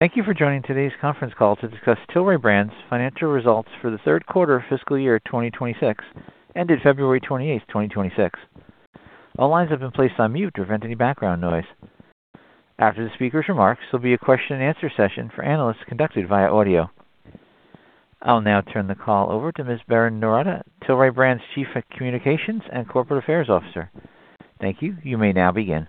Thank you for joining today's conference call to discuss Tilray Brands' financial results for the third quarter of fiscal year 2026 ended February 28, 2026. All lines have been placed on mute to prevent any background noise. After the speaker's remarks, there'll be a question-and-answer session for analysts conducted via audio. I'll now turn the call over to Ms. Berrin Noorata, Tilray Brands' Chief of Communications and Corporate Affairs Officer. Thank you. You may now begin.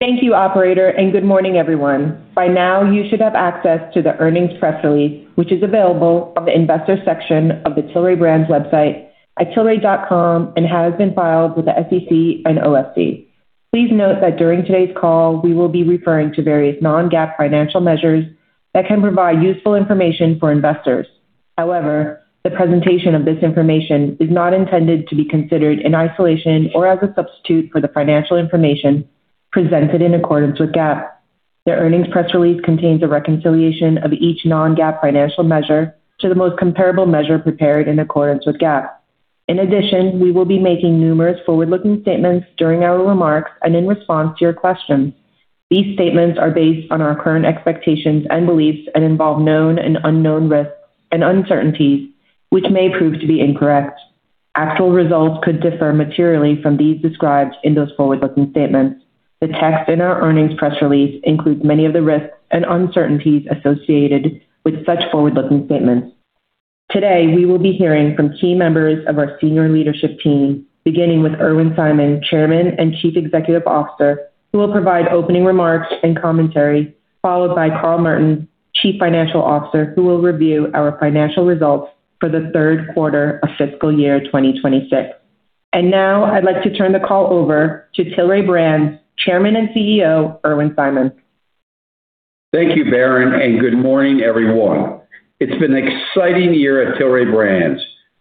Thank you, operator, and good morning, everyone. By now, you should have access to the earnings press release, which is available on the investor section of the Tilray Brands website at tilray.com and has been filed with the SEC and OSC. Please note that during today's call, we will be referring to various non-GAAP financial measures that can provide useful information for investors. However, the presentation of this information is not intended to be considered in isolation or as a substitute for the financial information presented in accordance with GAAP. The earnings press release contains a reconciliation of each non-GAAP financial measure to the most comparable measure prepared in accordance with GAAP. In addition, we will be making numerous forward-looking statements during our remarks and in response to your questions. These statements are based on our current expectations and beliefs and involve known and unknown risks and uncertainties, which may prove to be incorrect. Actual results could differ materially from those described in those forward-looking statements. The text in our earnings press release includes many of the risks and uncertainties associated with such forward-looking statements. Today, we will be hearing from key members of our senior leadership team, beginning with Irwin Simon, Chairman and Chief Executive Officer, who will provide opening remarks and commentary, followed by Carl Merton, Chief Financial Officer, who will review our financial results for the third quarter of fiscal year 2026. Now I'd like to turn the call over to Tilray Brands Chairman and CEO, Irwin Simon. Thank you, Berrin, and good morning, everyone. It's been an exciting year at Tilray Brands.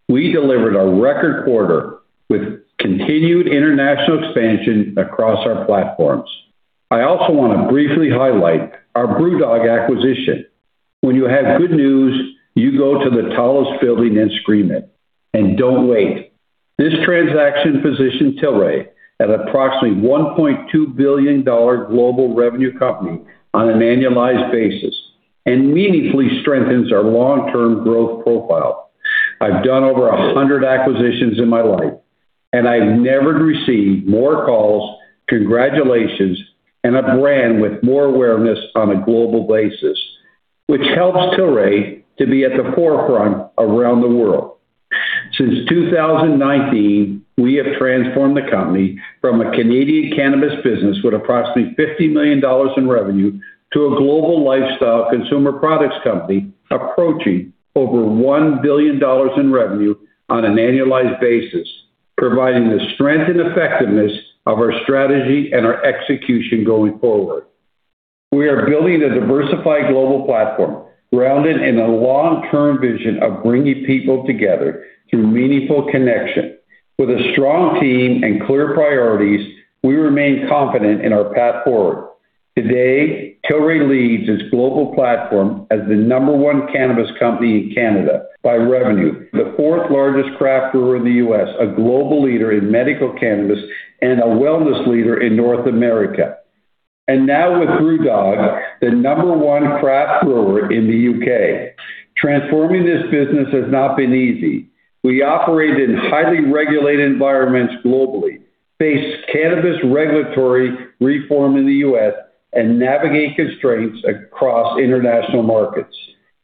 We delivered a record quarter with continued international expansion across our platforms. I also wanna briefly highlight our BrewDog acquisition. When you have good news, you go to the tallest building and scream it, and don't wait. This transaction positioned Tilray at approximately $1.2 billion global revenue company on an annualized basis and meaningfully strengthens our long-term growth profile. I've done over 100 acquisitions in my life, and I've never received more calls, congratulations, and a brand with more awareness on a global basis, which helps Tilray to be at the forefront around the world. Since 2019, we have transformed the company from a Canadian cannabis business with approximately $50 million in revenue to a global lifestyle consumer products company approaching over $1 billion in revenue on an annualized basis, providing the strength and effectiveness of our strategy and our execution going forward. We are building a diversified global platform grounded in a long-term vision of bringing people together through meaningful connection. With a strong team and clear priorities, we remain confident in our path forward. Today, Tilray leads its global platform as the Number one cannabis company in Canada by revenue, the fourth-largest craft brewer in the U.S., a global leader in medical cannabis, and a wellness leader in North America. Now with BrewDog, the Number one craft brewer in the U.K. Transforming this business has not been easy. We operate in highly regulated environments globally, face cannabis regulatory reform in the U.S., and navigate constraints across international markets.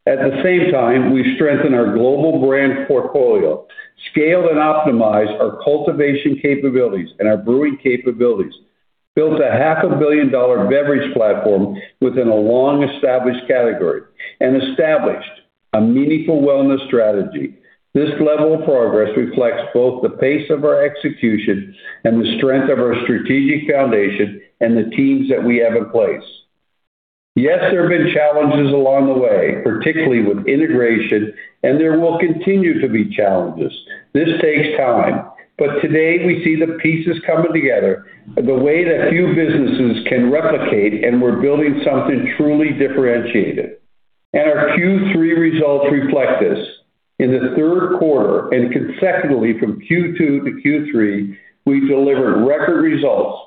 At the same time, we've strengthened our global brand portfolio, scaled and optimized our cultivation capabilities and our brewing capabilities, built a $500 million beverage platform within a long-established category, and established a meaningful wellness strategy. This level of progress reflects both the pace of our execution and the strength of our strategic foundation and the teams that we have in place. Yes, there have been challenges along the way, particularly with integration, and there will continue to be challenges. This takes time. Today, we see the pieces coming together the way that few businesses can replicate, and we're building something truly differentiated. Our Q3 results reflect this. In the third quarter and consecutively from Q2 to Q3, we delivered record results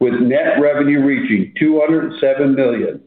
with net revenue reaching $207 million,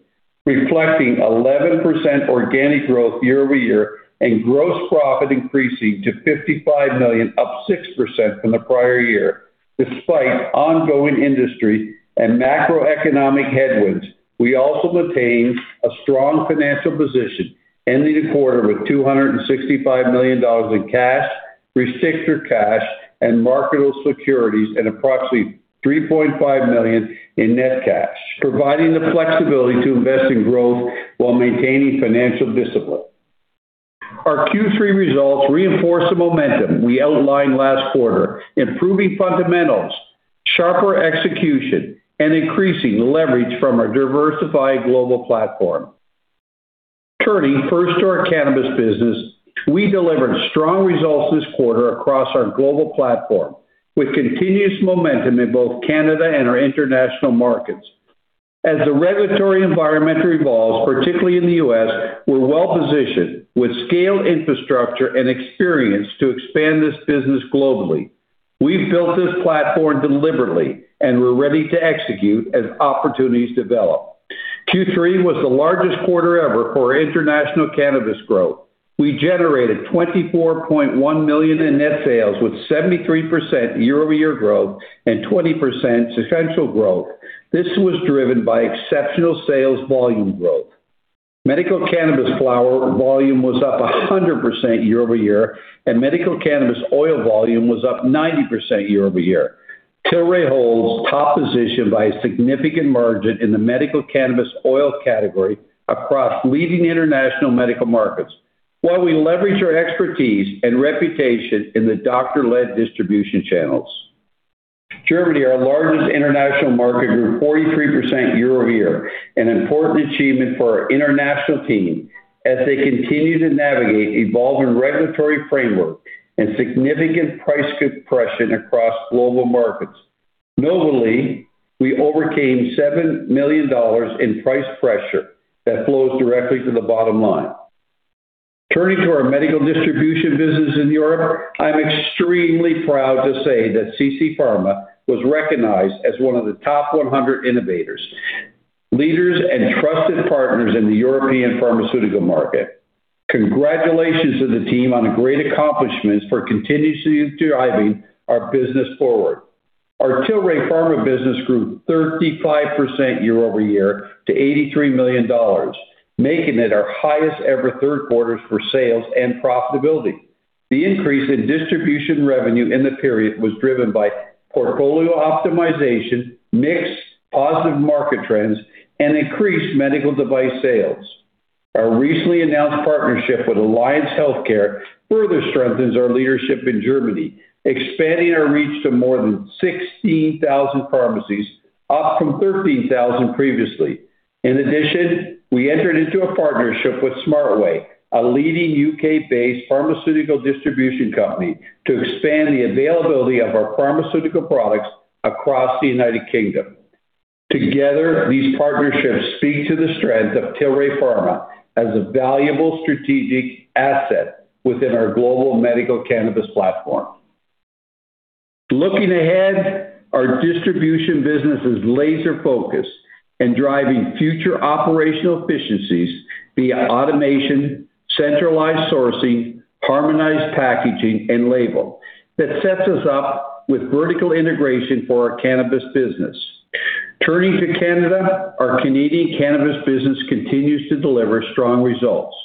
reflecting 11% organic growth year-over-year, and gross profit increasing to $55 million, up 6% from the prior year, despite ongoing industry and macroeconomic headwinds. We also maintained a strong financial position, ending the quarter with $265 million in cash, restricted cash, and marketable securities, and approximately $3.5 million in net cash, providing the flexibility to invest in growth while maintaining financial discipline. Our Q3 results reinforce the momentum we outlined last quarter, improving fundamentals, sharper execution, and increasing leverage from our diversified global platform. Turning first to our cannabis business, we delivered strong results this quarter across our global platform with continuous momentum in both Canada and our international markets. As the regulatory environment evolves, particularly in the U.S., we're well-positioned with scaled infrastructure and experience to expand this business globally. We've built this platform deliberately, and we're ready to execute as opportunities develop. Q3 was the largest quarter ever for international cannabis growth. We generated $24.1 million in net sales with 73% year-over-year growth and 20% sequential growth. This was driven by exceptional sales volume growth. Medical cannabis flower volume was up 100% year-over-year, and medical cannabis oil volume was up 90% year-over-year. Tilray holds top position by a significant margin in the medical cannabis oil category across leading international medical markets, while we leverage our expertise and reputation in the doctor-led distribution channels. Germany, our largest international market, grew 43% year-over-year, an important achievement for our international team as they continue to navigate evolving regulatory framework and significant price compression across global markets. Notably, we overcame $7 million in price pressure that flows directly to the bottom line. Turning to our medical distribution business in Europe, I'm extremely proud to say that CC Pharma was recognized as one of the Top 100 innovators, leaders, and trusted partners in the European pharmaceutical market. Congratulations to the team on a great accomplishments for continuously driving our business forward. Our Tilray Pharma business grew 35% year-over-year to $83 million, making it our highest ever third quarter for sales and profitability. The increase in distribution revenue in the period was driven by portfolio optimization, mix, positive market trends, and increased medical device sales. Our recently announced partnership with Alliance Healthcare further strengthens our leadership in Germany, expanding our reach to more than 16,000 pharmacies, up from 13,000 previously. In addition, we entered into a partnership with Smartway, a leading U.K.-based pharmaceutical distribution company, to expand the availability of our pharmaceutical products across the United Kingdom. Together, these partnerships speak to the strength of Tilray Pharma as a valuable strategic asset within our global medical cannabis platform. Looking ahead, our distribution business is laser-focused in driving future operational efficiencies via automation, centralized sourcing, harmonized packaging, and label that sets us up with vertical integration for our cannabis business. Turning to Canada, our Canadian cannabis business continues to deliver strong results.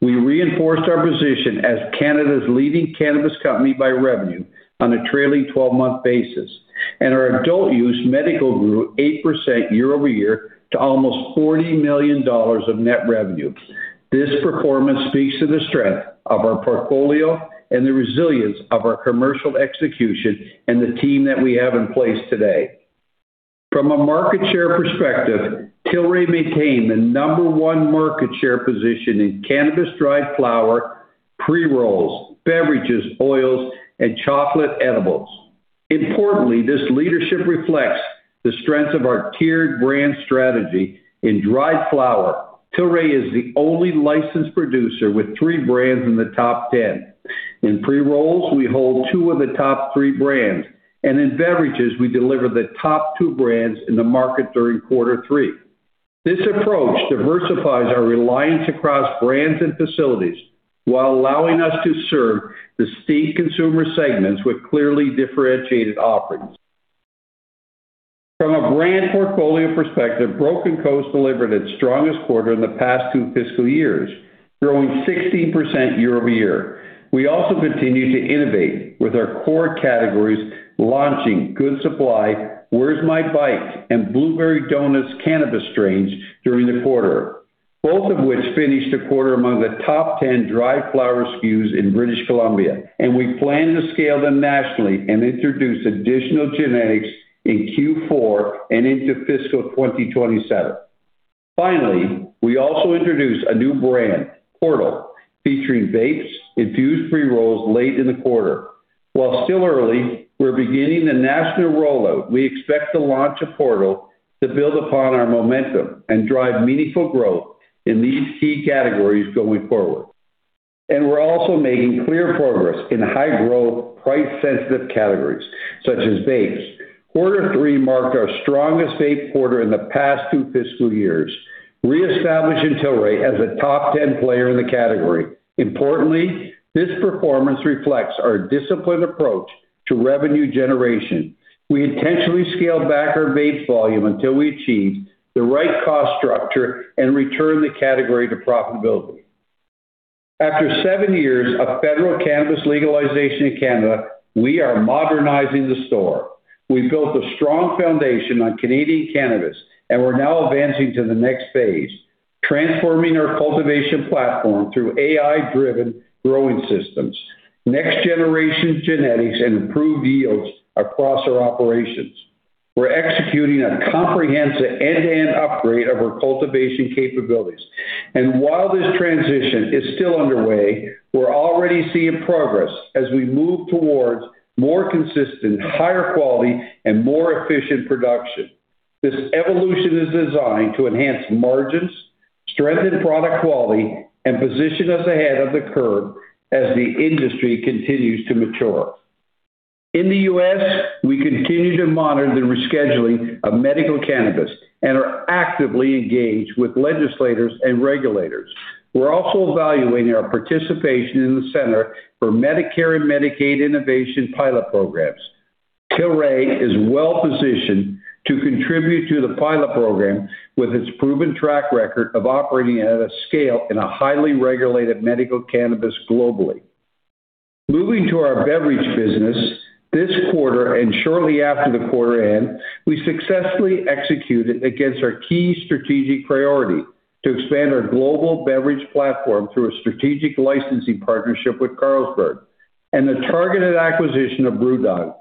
We reinforced our position as Canada's leading cannabis company by revenue on a trailing 12-month basis, and our adult use medical grew 8% year-over-year to almost $40 million of net revenue. This performance speaks to the strength of our portfolio and the resilience of our commercial execution and the team that we have in place today. From a market share perspective, Tilray maintained the number one market share position in cannabis dried flower, pre-rolls, beverages, oils, and chocolate edibles. Importantly, this leadership reflects the strength of our tiered brand strategy. In dried flower, Tilray is the only licensed producer with three brands in the Top 10. In pre-rolls, we hold two of the Top three brands, and in beverages, we deliver the Top two brands in the market during quarter three. This approach diversifies our reliance across brands and facilities while allowing us to serve distinct consumer segments with clearly differentiated offerings. From a brand portfolio perspective, Broken Coast delivered its strongest quarter in the past two fiscal years, growing 16% year-over-year. We also continue to innovate with our core categories, launching Good Supply, Where's My Bike, and Blueberry Donuts cannabis strains during the quarter, both of which finished the quarter among the Top 10 dried flower SKUs in British Columbia, and we plan to scale them nationally and introduce additional genetics in Q4 and into fiscal 2027. Finally, we also introduced a new brand, Portal, featuring vapes, infused pre-rolls late in the quarter. While still early, we're beginning the national rollout. We expect the launch of Portal to build upon our momentum and drive meaningful growth in these key categories going forward. We're also making clear progress in high-growth, price-sensitive categories, such as vapes. Quarter three marked our strongest vape quarter in the past two fiscal years, reestablishing Tilray as a Top 10 player in the category. Importantly, this performance reflects our disciplined approach to revenue generation. We intentionally scaled back our vape volume until we achieved the right cost structure and returned the category to profitability. After seven years of federal cannabis legalization in Canada, we are modernizing the store. We've built a strong foundation on Canadian cannabis, and we're now advancing to the next phase, transforming our cultivation platform through AI-driven growing systems, next-generation genetics, and improved yields across our operations. We're executing a comprehensive end-to-end upgrade of our cultivation capabilities. While this transition is still underway, we're already seeing progress as we move towards more consistent, higher quality, and more efficient production. This evolution is designed to enhance margins, strengthen product quality, and position us ahead of the curve as the industry continues to mature. In the U.S., we continue to monitor the rescheduling of medical cannabis and are actively engaged with legislators and regulators. We're also evaluating our participation in the Center for Medicare and Medicaid Innovation pilot programs. Tilray is well-positioned to contribute to the pilot program with its proven track record of operating at a scale in a highly regulated medical cannabis globally. Moving to our beverage business, this quarter and shortly after the quarter end, we successfully executed against our key strategic priority to expand our global beverage platform through a strategic licensing partnership with Carlsberg and the targeted acquisition of BrewDog,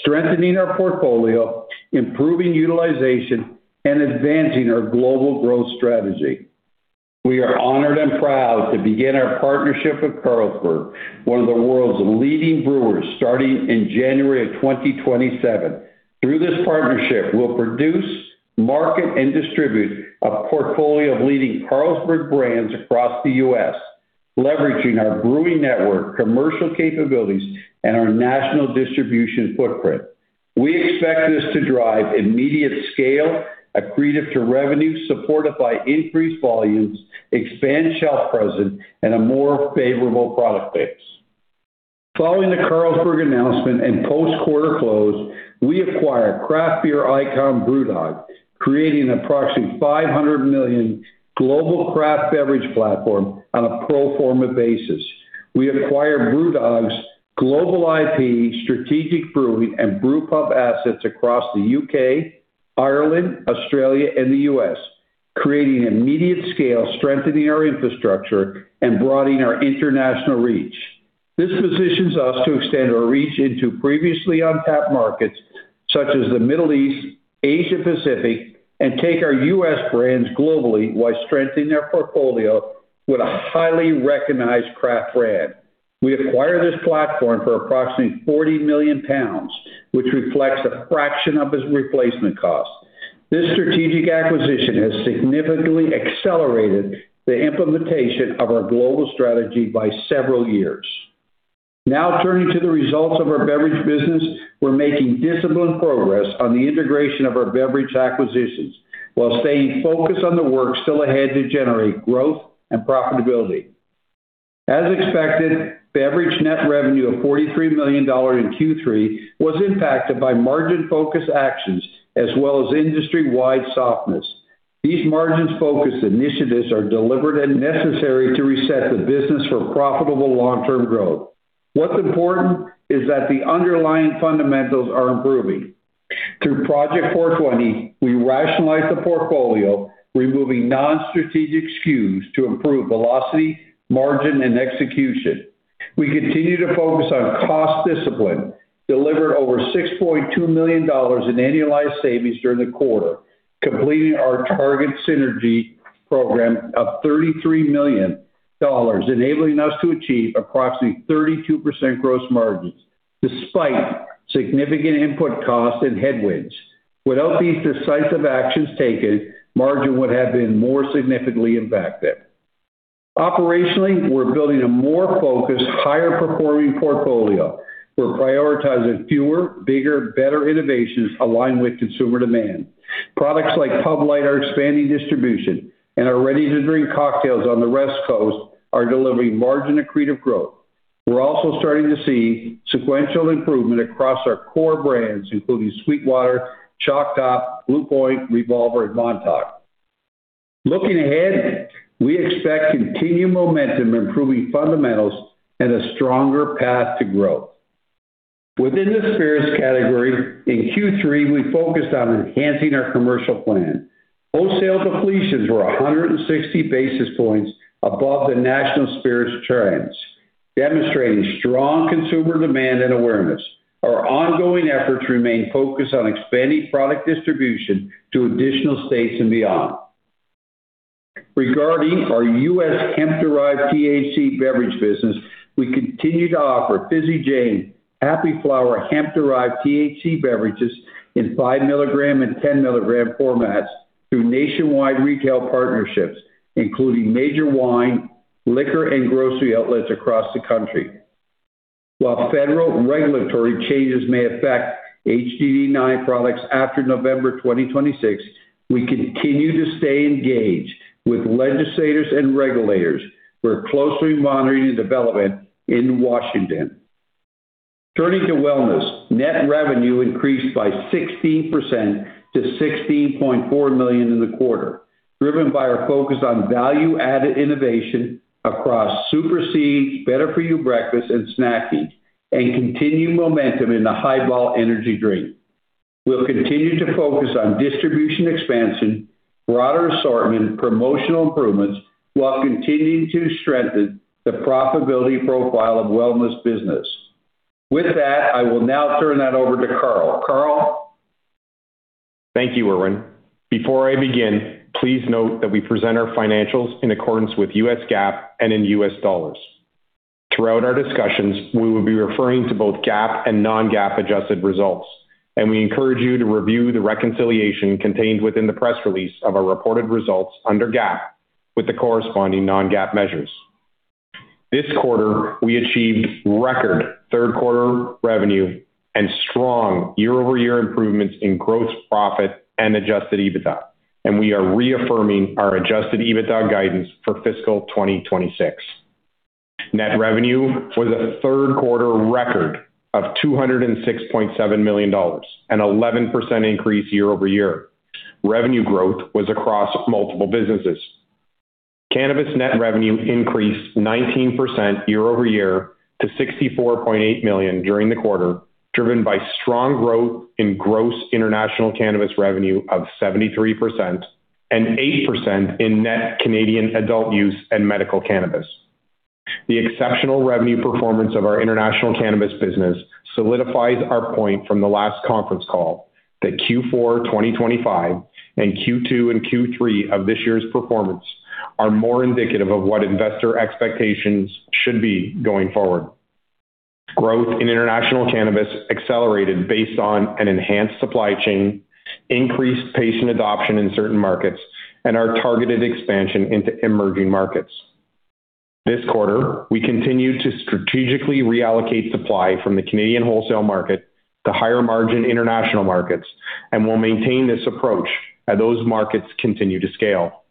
strengthening our portfolio, improving utilization, and advancing our global growth strategy. We are honored and proud to begin our partnership with Carlsberg, one of the world's leading brewers, starting in January 2027. Through this partnership, we'll produce, market, and distribute a portfolio of leading Carlsberg brands across the U.S., leveraging our brewing network, commercial capabilities, and our national distribution footprint. We expect this to drive immediate scale, accretive to revenue, supported by increased volumes, expand shelf presence, and a more favorable product base. Following the Carlsberg announcement in post-quarter close, we acquired craft beer icon BrewDog, creating approximately $500 million global craft beverage platform on a pro forma basis. We acquired BrewDog's global IP, strategic brewing, and brew pub assets across the U.K., Ireland, Australia, and the U.S., creating immediate scale, strengthening our infrastructure, and broadening our international reach. This positions us to extend our reach into previously untapped markets such as the Middle East, Asia Pacific, and take our U.S. brands globally while strengthening our portfolio with a highly recognized craft brand. We acquired this platform for approximately 40 million pounds, which reflects a fraction of its replacement cost. This strategic acquisition has significantly accelerated the implementation of our global strategy by several years. Now turning to the results of our beverage business. We're making disciplined progress on the integration of our beverage acquisitions while staying focused on the work still ahead to generate growth and profitability. As expected, beverage net revenue of $43 million in Q3 was impacted by margin-focused actions as well as industry-wide softness. These margin-focused initiatives are deliberate and necessary to reset the business for profitable long-term growth. What's important is that the underlying fundamentals are improving. Through Project 420, we rationalize the portfolio, removing non-strategic SKUs to improve velocity, margin, and execution. We continue to focus on cost discipline, delivered over $6.2 million in annualized savings during the quarter, completing our target synergy program of $33 million, enabling us to achieve approximately 32% gross margins despite significant input costs and headwinds. Without these decisive actions taken, margin would have been more significantly impacted. Operationally, we're building a more focused, higher-performing portfolio. We're prioritizing fewer, bigger, better innovations aligned with consumer demand. Products like Pub Light are expanding distribution, and our ready-to-drink cocktails on the West Coast are delivering margin accretive growth. We're also starting to see sequential improvement across our core brands, including SweetWater, Shock Top, Blue Point, Revolver, and Montauk. Looking ahead, we expect continued momentum, improving fundamentals, and a stronger path to growth. Within the spirits category, in Q3, we focused on enhancing our commercial plan. Wholesale depletions were 160 basis points above the national spirits trends, demonstrating strong consumer demand and awareness. Our ongoing efforts remain focused on expanding product distribution to additional states and beyond. Regarding our U.S. hemp-derived THC beverage business, we continue to offer Fizzy Jane, Happy Flower hemp-derived THC beverages in 5 mg and 10 mg formats through nationwide retail partnerships, including major wine, liquor, and grocery outlets across the country. While federal regulatory changes may affect HDD9 products after November 2026, we continue to stay engaged with legislators and regulators. We're closely monitoring the development in Washington. Turning to wellness, net revenue increased by 16% to $16.4 million in the quarter, driven by our focus on value-added innovation across Superseed, better-for-you breakfast and snacking, and continued momentum in the Hi*Ball Energy. We'll continue to focus on distribution expansion, broader assortment, promotional improvements, while continuing to strengthen the profitability profile of wellness business. With that, I will now turn that over to Carl. Carl? Thank you, Irwin. Before I begin, please note that we present our financials in accordance with U.S. GAAP and in U.S. dollars. Throughout our discussions, we will be referring to both GAAP and non-GAAP adjusted results, and we encourage you to review the reconciliation contained within the press release of our reported results under GAAP with the corresponding non-GAAP measures. This quarter, we achieved record third quarter revenue and strong year-over-year improvements in gross profit and adjusted EBITDA, and we are reaffirming our adjusted EBITDA guidance for fiscal 2026. Net revenue was a third quarter record of $206.7 million, an 11% increase year-over-year. Revenue growth was across multiple businesses. Cannabis net revenue increased 19% year-over-year to $64.8 million during the quarter, driven by strong growth in gross international cannabis revenue of 73% and 8% in net Canadian adult-use and medical cannabis. The exceptional revenue performance of our international cannabis business solidifies our point from the last conference call that Q4 2025 and Q2 and Q3 of this year's performance are more indicative of what investor expectations should be going forward. Growth in international cannabis accelerated based on an enhanced supply chain, increased patient adoption in certain markets, and our targeted expansion into emerging markets. This quarter, we continue to strategically reallocate supply from the Canadian wholesale market to higher-margin international markets and will maintain this approach as those markets continue to scale.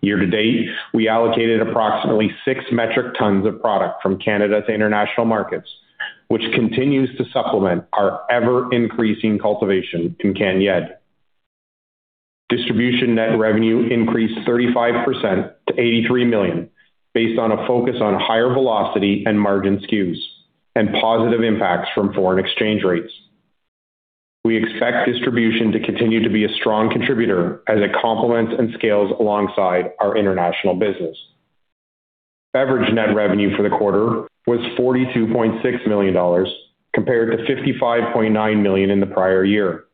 Year to date, we allocated approximately 6 metric tons of product from Canada to international markets, which continues to supplement our ever-increasing cultivation in Canada. Distribution net revenue increased 35% to $83 million based on a focus on higher velocity and margin SKUs and positive impacts from foreign exchange rates. We expect distribution to continue to be a strong contributor as it complements and scales alongside our international business. Beverage net revenue for the quarter was $42.6 million compared to $55.9 million in the prior year.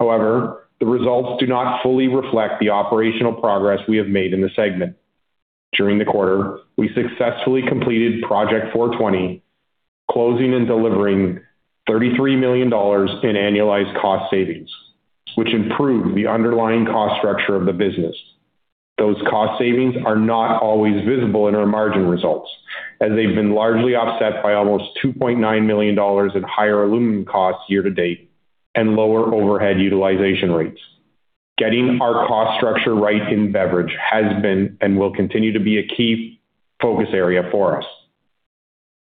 However, the results do not fully reflect the operational progress we have made in the segment. During the quarter, we successfully completed Project 420, closing and delivering $33 million in annualized cost savings, which improved the underlying cost structure of the business. Those cost savings are not always visible in our margin results, as they've been largely offset by almost $2.9 million in higher aluminum costs year to date and lower overhead utilization rates. Getting our cost structure right in beverage has been and will continue to be a key focus area for us.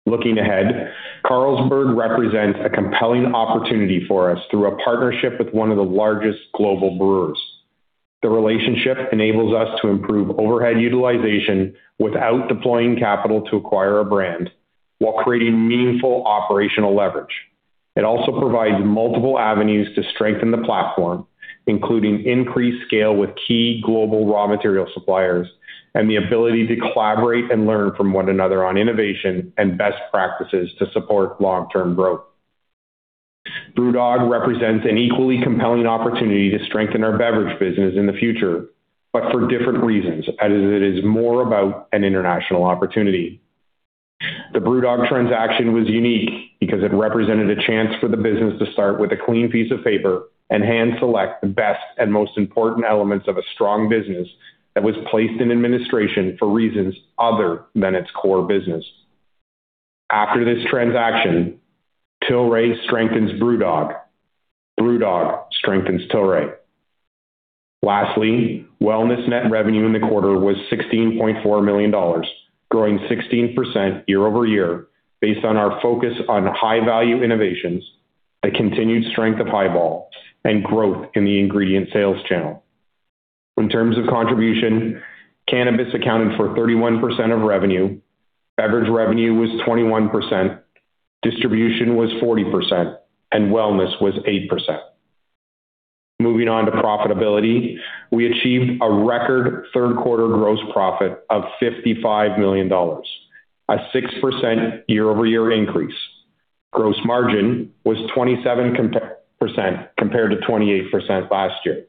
Looking ahead, Carlsberg represents a compelling opportunity for us through a partnership with one of the largest global brewers. The relationship enables us to improve overhead utilization without deploying capital to acquire a brand while creating meaningful operational leverage. It also provides multiple avenues to strengthen the platform, including increased scale with key global raw material suppliers and the ability to collaborate and learn from one another on innovation and best practices to support long-term growth. BrewDog represents an equally compelling opportunity to strengthen our beverage business in the future, but for different reasons, as it is more about an international opportunity. The BrewDog transaction was unique because it represented a chance for the business to start with a clean piece of paper and hand select the best and most important elements of a strong business that was placed in administration for reasons other than its core business. After this transaction, Tilray strengthens BrewDog strengthens Tilray. Lastly, wellness net revenue in the quarter was $16.4 million, growing 16% year-over-year based on our focus on high-value innovations, a continued strength of Hi*Ball, and growth in the ingredient sales channel. In terms of contribution, cannabis accounted for 31% of revenue. Beverage revenue was 21%, distribution was 40%, and wellness was 8%. Moving on to profitability. We achieved a record third quarter gross profit of $55 million, a 6% year-over-year increase. Gross margin was 27% compared to 28% last year.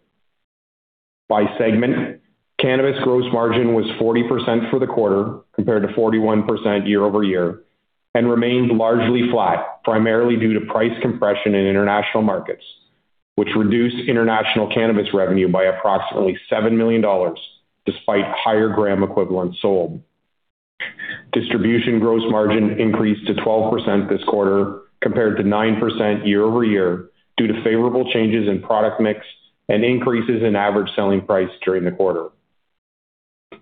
By segment, cannabis gross margin was 40% for the quarter compared to 41% year-over-year and remained largely flat, primarily due to price compression in international markets, which reduced international cannabis revenue by approximately $7 million despite higher gram equivalents sold. Distribution gross margin increased to 12% this quarter compared to 9% year-over-year due to favorable changes in product mix and increases in average selling price during the quarter.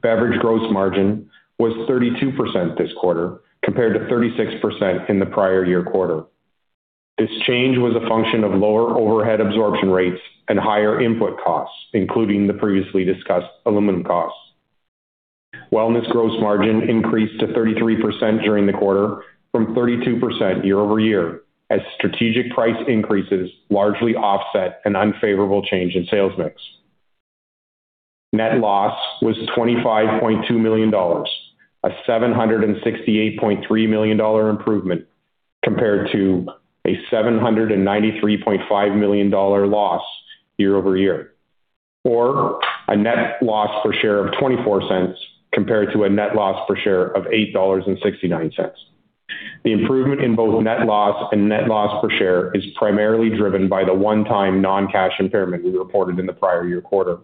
Beverage gross margin was 32% this quarter compared to 36% in the prior year quarter. This change was a function of lower overhead absorption rates and higher input costs, including the previously discussed aluminum costs. Wellness gross margin increased to 33% during the quarter from 32% year-over-year as strategic price increases largely offset an unfavorable change in sales mix. Net loss was $25.2 million, a $768.3 million improvement compared to a $793.5 million loss year-over-year, or a net loss per share of $0.24 compared to a net loss per share of $8.69. The improvement in both net loss and net loss per share is primarily driven by the one-time non-cash impairment we reported in the prior year quarter.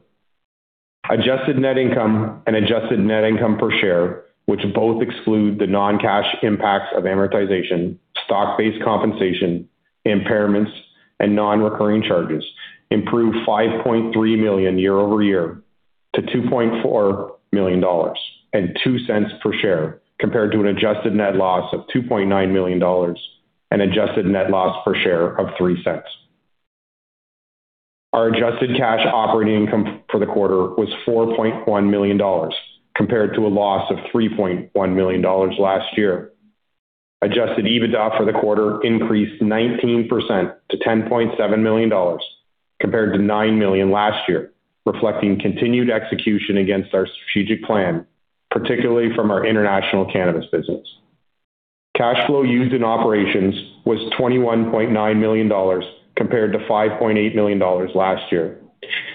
Adjusted net income and adjusted net income per share, which both exclude the non-cash impacts of amortization, stock-based compensation, impairments, and non-recurring charges, improved by $5.3 million year-over-year to $2.4 million and $0.02 per share, compared to an adjusted net loss of $2.9 million and an adjusted net loss per share of $0.03. Our adjusted cash operating income for the quarter was $4.1 million, compared to a loss of $3.1 million last year. Adjusted EBITDA for the quarter increased 19% to $10.7 million, compared to $9 million last year, reflecting continued execution against our strategic plan, particularly from our international cannabis business. Cash flow used in operations was $21.9 million, compared to $5.8 million last year.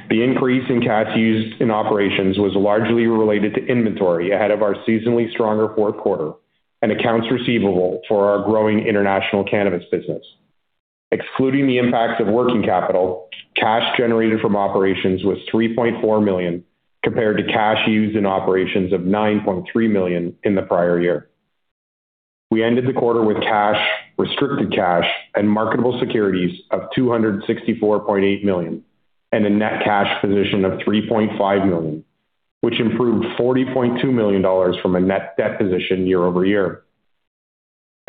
The increase in cash used in operations was largely related to inventory ahead of our seasonally stronger fourth quarter and accounts receivable for our growing international cannabis business. Excluding the impacts of working capital, cash generated from operations was $3.4 million, compared to cash used in operations of $9.3 million in the prior year. We ended the quarter with cash, restricted cash and marketable securities of $264.8 million and a net cash position of $3.5 million, which improved $40.2 million from a net debt position year-over-year.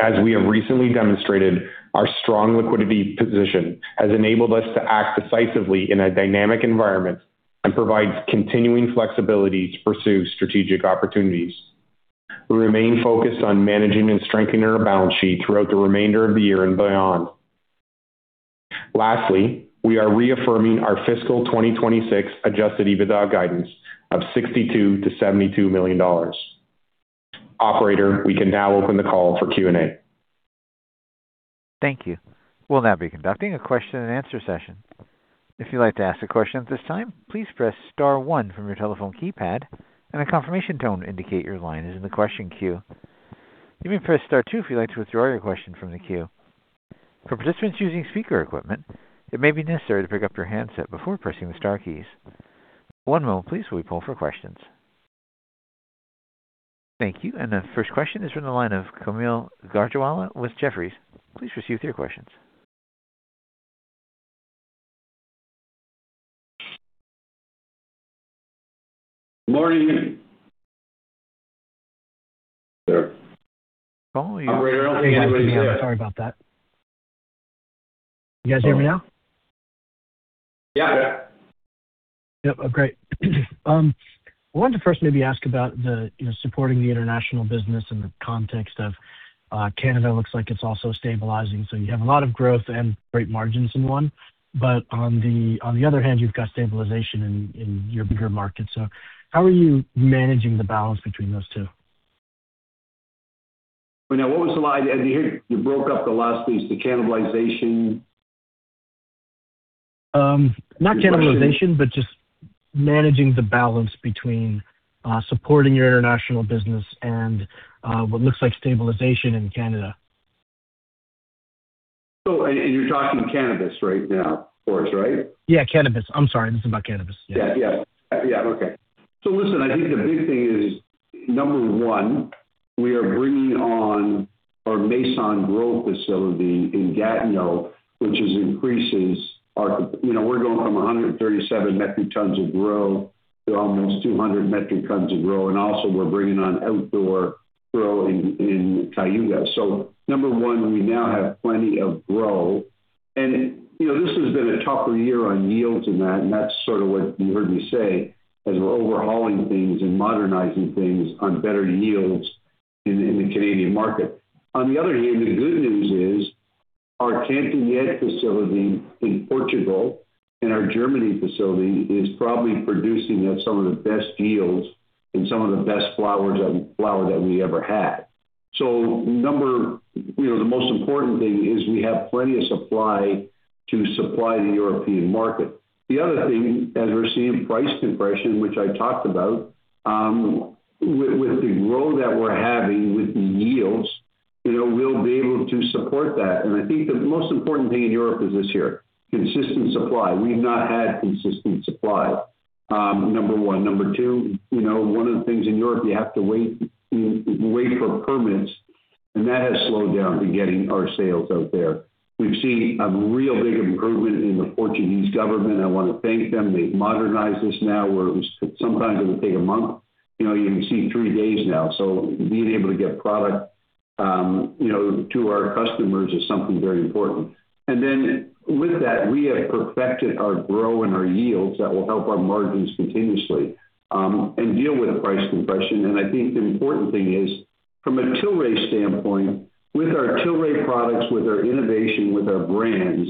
As we have recently demonstrated, our strong liquidity position has enabled us to act decisively in a dynamic environment and provides continuing flexibility to pursue strategic opportunities. We remain focused on managing and strengthening our balance sheet throughout the remainder of the year and beyond. Lastly, we are reaffirming our fiscal 2026 adjusted EBITDA guidance of $62 million-$72 million. Operator, we can now open the call for Q&A. Thank you. We'll now be conducting a question-and-answer session. If you'd like to ask a question at this time, please press star one from your telephone keypad and a confirmation tone will indicate your line is in the question queue. You may press star two if you'd like to withdraw your question from the queue. For participants using speaker equipment, it may be necessary to pick up your handset before pressing the star keys. One moment please, while we poll for questions. Thank you. The first question is from the line of Kaumil Gajrawala with Jefferies. Please proceed with your questions. Morning. Sorry about that. You guys hear me now? Yeah. Yep. Great. I wanted to first maybe ask about the, you know, supporting the international business in the context of, Canada looks like it's also stabilizing. You have a lot of growth and great margins in one. On the other hand, you've got stabilization in your bigger markets. How are you managing the balance between those two? Now what was the slide? You broke up the last piece, the cannibalization. Not cannibalization, but just managing the balance between supporting your international business and what looks like stabilization in Canada. you're talking cannabis right now for us, right? Yeah, cannabis. I'm sorry. This is about cannabis. Listen, I think the big thing is, number one, we are bringing on our Masson grow facility in Gatineau, which increases our—you know, we're going from 137 metric tons of grow to almost 200 metric tons of grow. Also we're bringing on outdoor grow in Cayuga. Number one, we now have plenty of grow. You know, this has been a tougher year on yields and that, and that's sort of what you heard me say, as we're overhauling things and modernizing things on better yields in the Canadian market. On the other hand, the good news is our Cantanhede facility in Portugal and our Germany facility is probably producing at some of the best yields and some of the best flower that we ever had. You know, the most important thing is we have plenty of supply to supply the European market. The other thing, as we're seeing price compression, which I talked about, with the growth that we're having with the yields, you know, we'll be able to support that. I think the most important thing in Europe is this here, consistent supply. We've not had consistent supply, number one. Number two, you know, one of the things in Europe, you have to wait for permits, and that has slowed down to getting our sales out there. We've seen a real big improvement in the Portuguese government. I want to thank them. They've modernized this now, where it was sometimes it would take a month. You know, you can see three days now. Being able to get product, you know, to our customers is something very important. With that, we have perfected our grow and our yields that will help our margins continuously, and deal with the price compression. I think the important thing is from a Tilray standpoint, with our Tilray products, with our innovation, with our brands,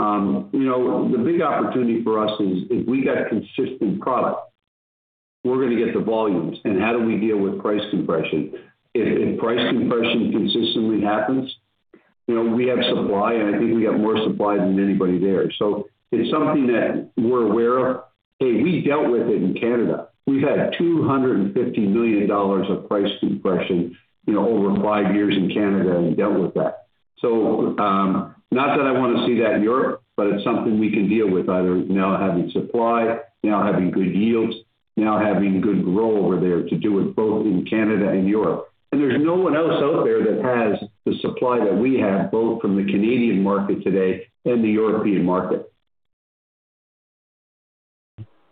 you know, the big opportunity for us is if we got consistent product. We're gonna get the volumes. How do we deal with price compression? If price compression consistently happens, you know, we have supply, and I think we have more supply than anybody there. It's something that we're aware of. Hey, we dealt with it in Canada. We've had $250 million of price compression, you know, over five years in Canada, and we dealt with that. Not that I wanna see that in Europe, but it's something we can deal with either, you know, having supply, you know, having good yields, you know, having good growth over there to do it both in Canada and Europe. There's no one else out there that has the supply that we have, both from the Canadian market today and the European market.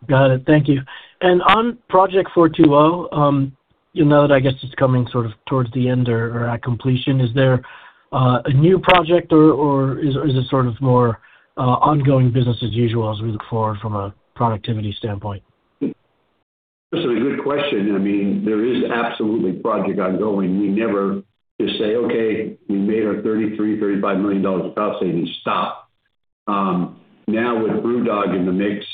Got it. Thank you. On Project 420, you know, I guess it's coming sort of towards the end or at completion. Is there a new project or is it sort of more ongoing business as usual as we look forward from a productivity standpoint? This is a good question. I mean, there is absolutely project ongoing. We never just say, "Okay, we made our $33 million-$35 million of cost savings. Stop." Now with BrewDog in the mix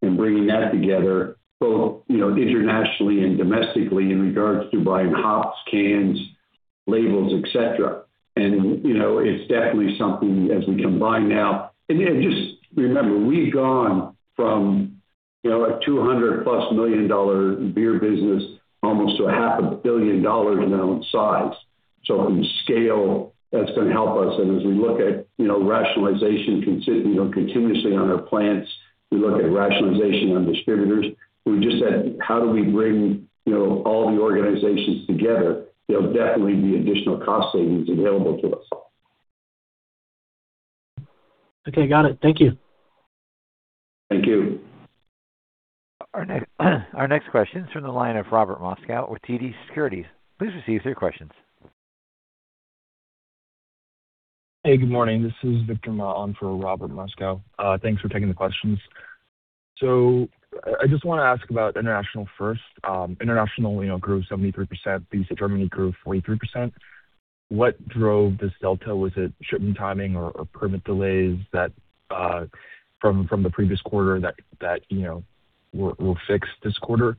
and bringing that together, both, you know, internationally and domestically in regards to buying hops, cans, labels, et cetera, and, you know, it's definitely something as we combine now. Just remember, we've gone from, you know, a 200+ million dollar beer business almost to a $500 million in our own size. From scale, that's gonna help us. As we look at, you know, rationalization, you know, continuously on our plants, we look at rationalization on distributors. We just said, "How do we bring, you know, all the organizations together?" There'll definitely be additional cost savings available to us. Okay, got it. Thank you. Thank you. Our next question is from the line of Robert Moskow with TD Securities. Please proceed with your question. Hey, good morning. This is Victor Ma on for Robert Moskow. Thanks for taking the questions. So I just want to ask about international first. International, you know, grew 73%. Versus Germany grew 43%. What drove this delta? Was it shipment timing or permit delays that from the previous quarter that you know were fixed this quarter?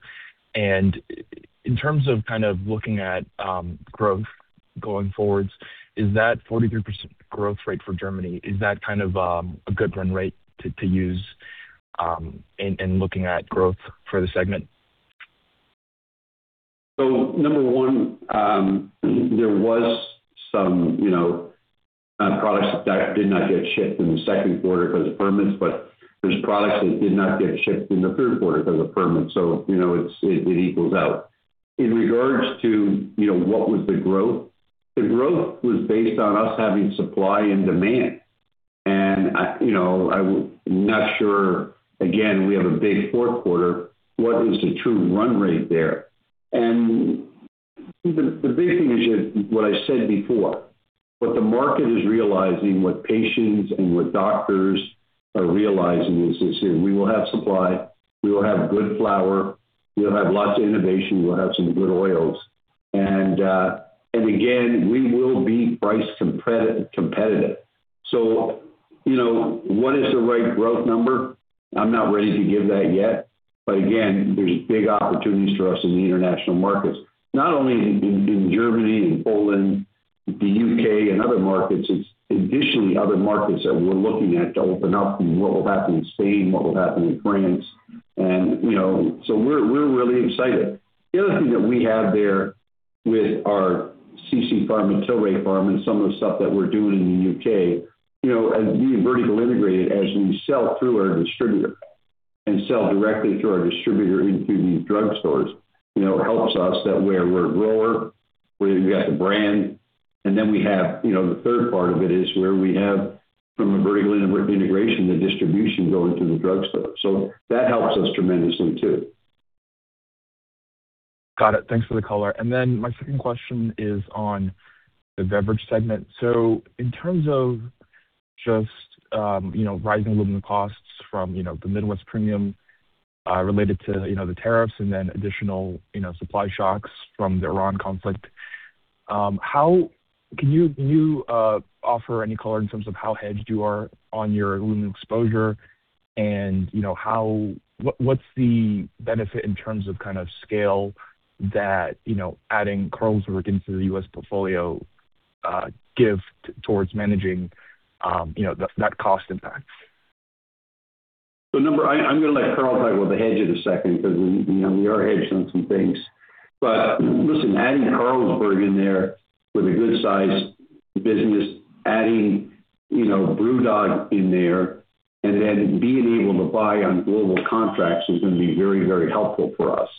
In terms of kind of looking at growth going forwards, is that 43% growth rate for Germany kind of a good run rate to use in looking at growth for the segment? Number one, there was some, you know, products that did not get shipped in the second quarter 'cause of permits, but there's products that did not get shipped in the third quarter 'cause of permits. You know, it equals out. In regards to, you know, what was the growth, the growth was based on us having supply and demand. I, you know, I'm not sure. Again, we have a big fourth quarter. What is the true run rate there? The big thing is just what I said before, what the market is realizing, what patients and what doctors are realizing is that we will have supply, we will have good flower, we'll have lots of innovation, we'll have some good oils. Again, we will be price competitive. You know, what is the right growth number? I'm not ready to give that yet. Again, there's big opportunities for us in the international markets, not only in Germany and Poland, the U.K. and other markets. It's additionally other markets that we're looking at to open up and what will happen in Spain, what will happen in France. You know, we're really excited. The other thing that we have there with our CC Pharma, Tilray Pharma, and some of the stuff that we're doing in the U.K., you know, as being vertically integrated, as we sell through our distributor and sell directly through our distributor into these drugstores, you know, it helps us that way. We're a grower, we've got the brand, and then we have, you know, the third part of it is where we have, from a vertical integration, the distribution going through the drugstore. That helps us tremendously too. Got it. Thanks for the color. My second question is on the beverage segment. In terms of just, you know, rising aluminum costs from, you know, the Midwest premium, related to, you know, the tariffs and then additional, you know, supply shocks from the Iran conflict, can you offer any color in terms of how hedged you are on your aluminum exposure? And, you know, what's the benefit in terms of kind of scale that, you know, adding Carlsberg into the U.S. portfolio gives towards managing, you know, that cost impact? I'm gonna let Carl talk about the hedge in a second because we, you know, we are hedged on some things. Listen, adding Carlsberg in there with a good sized business, adding, you know, BrewDog in there and then being able to buy on global contracts is gonna be very, very helpful for us.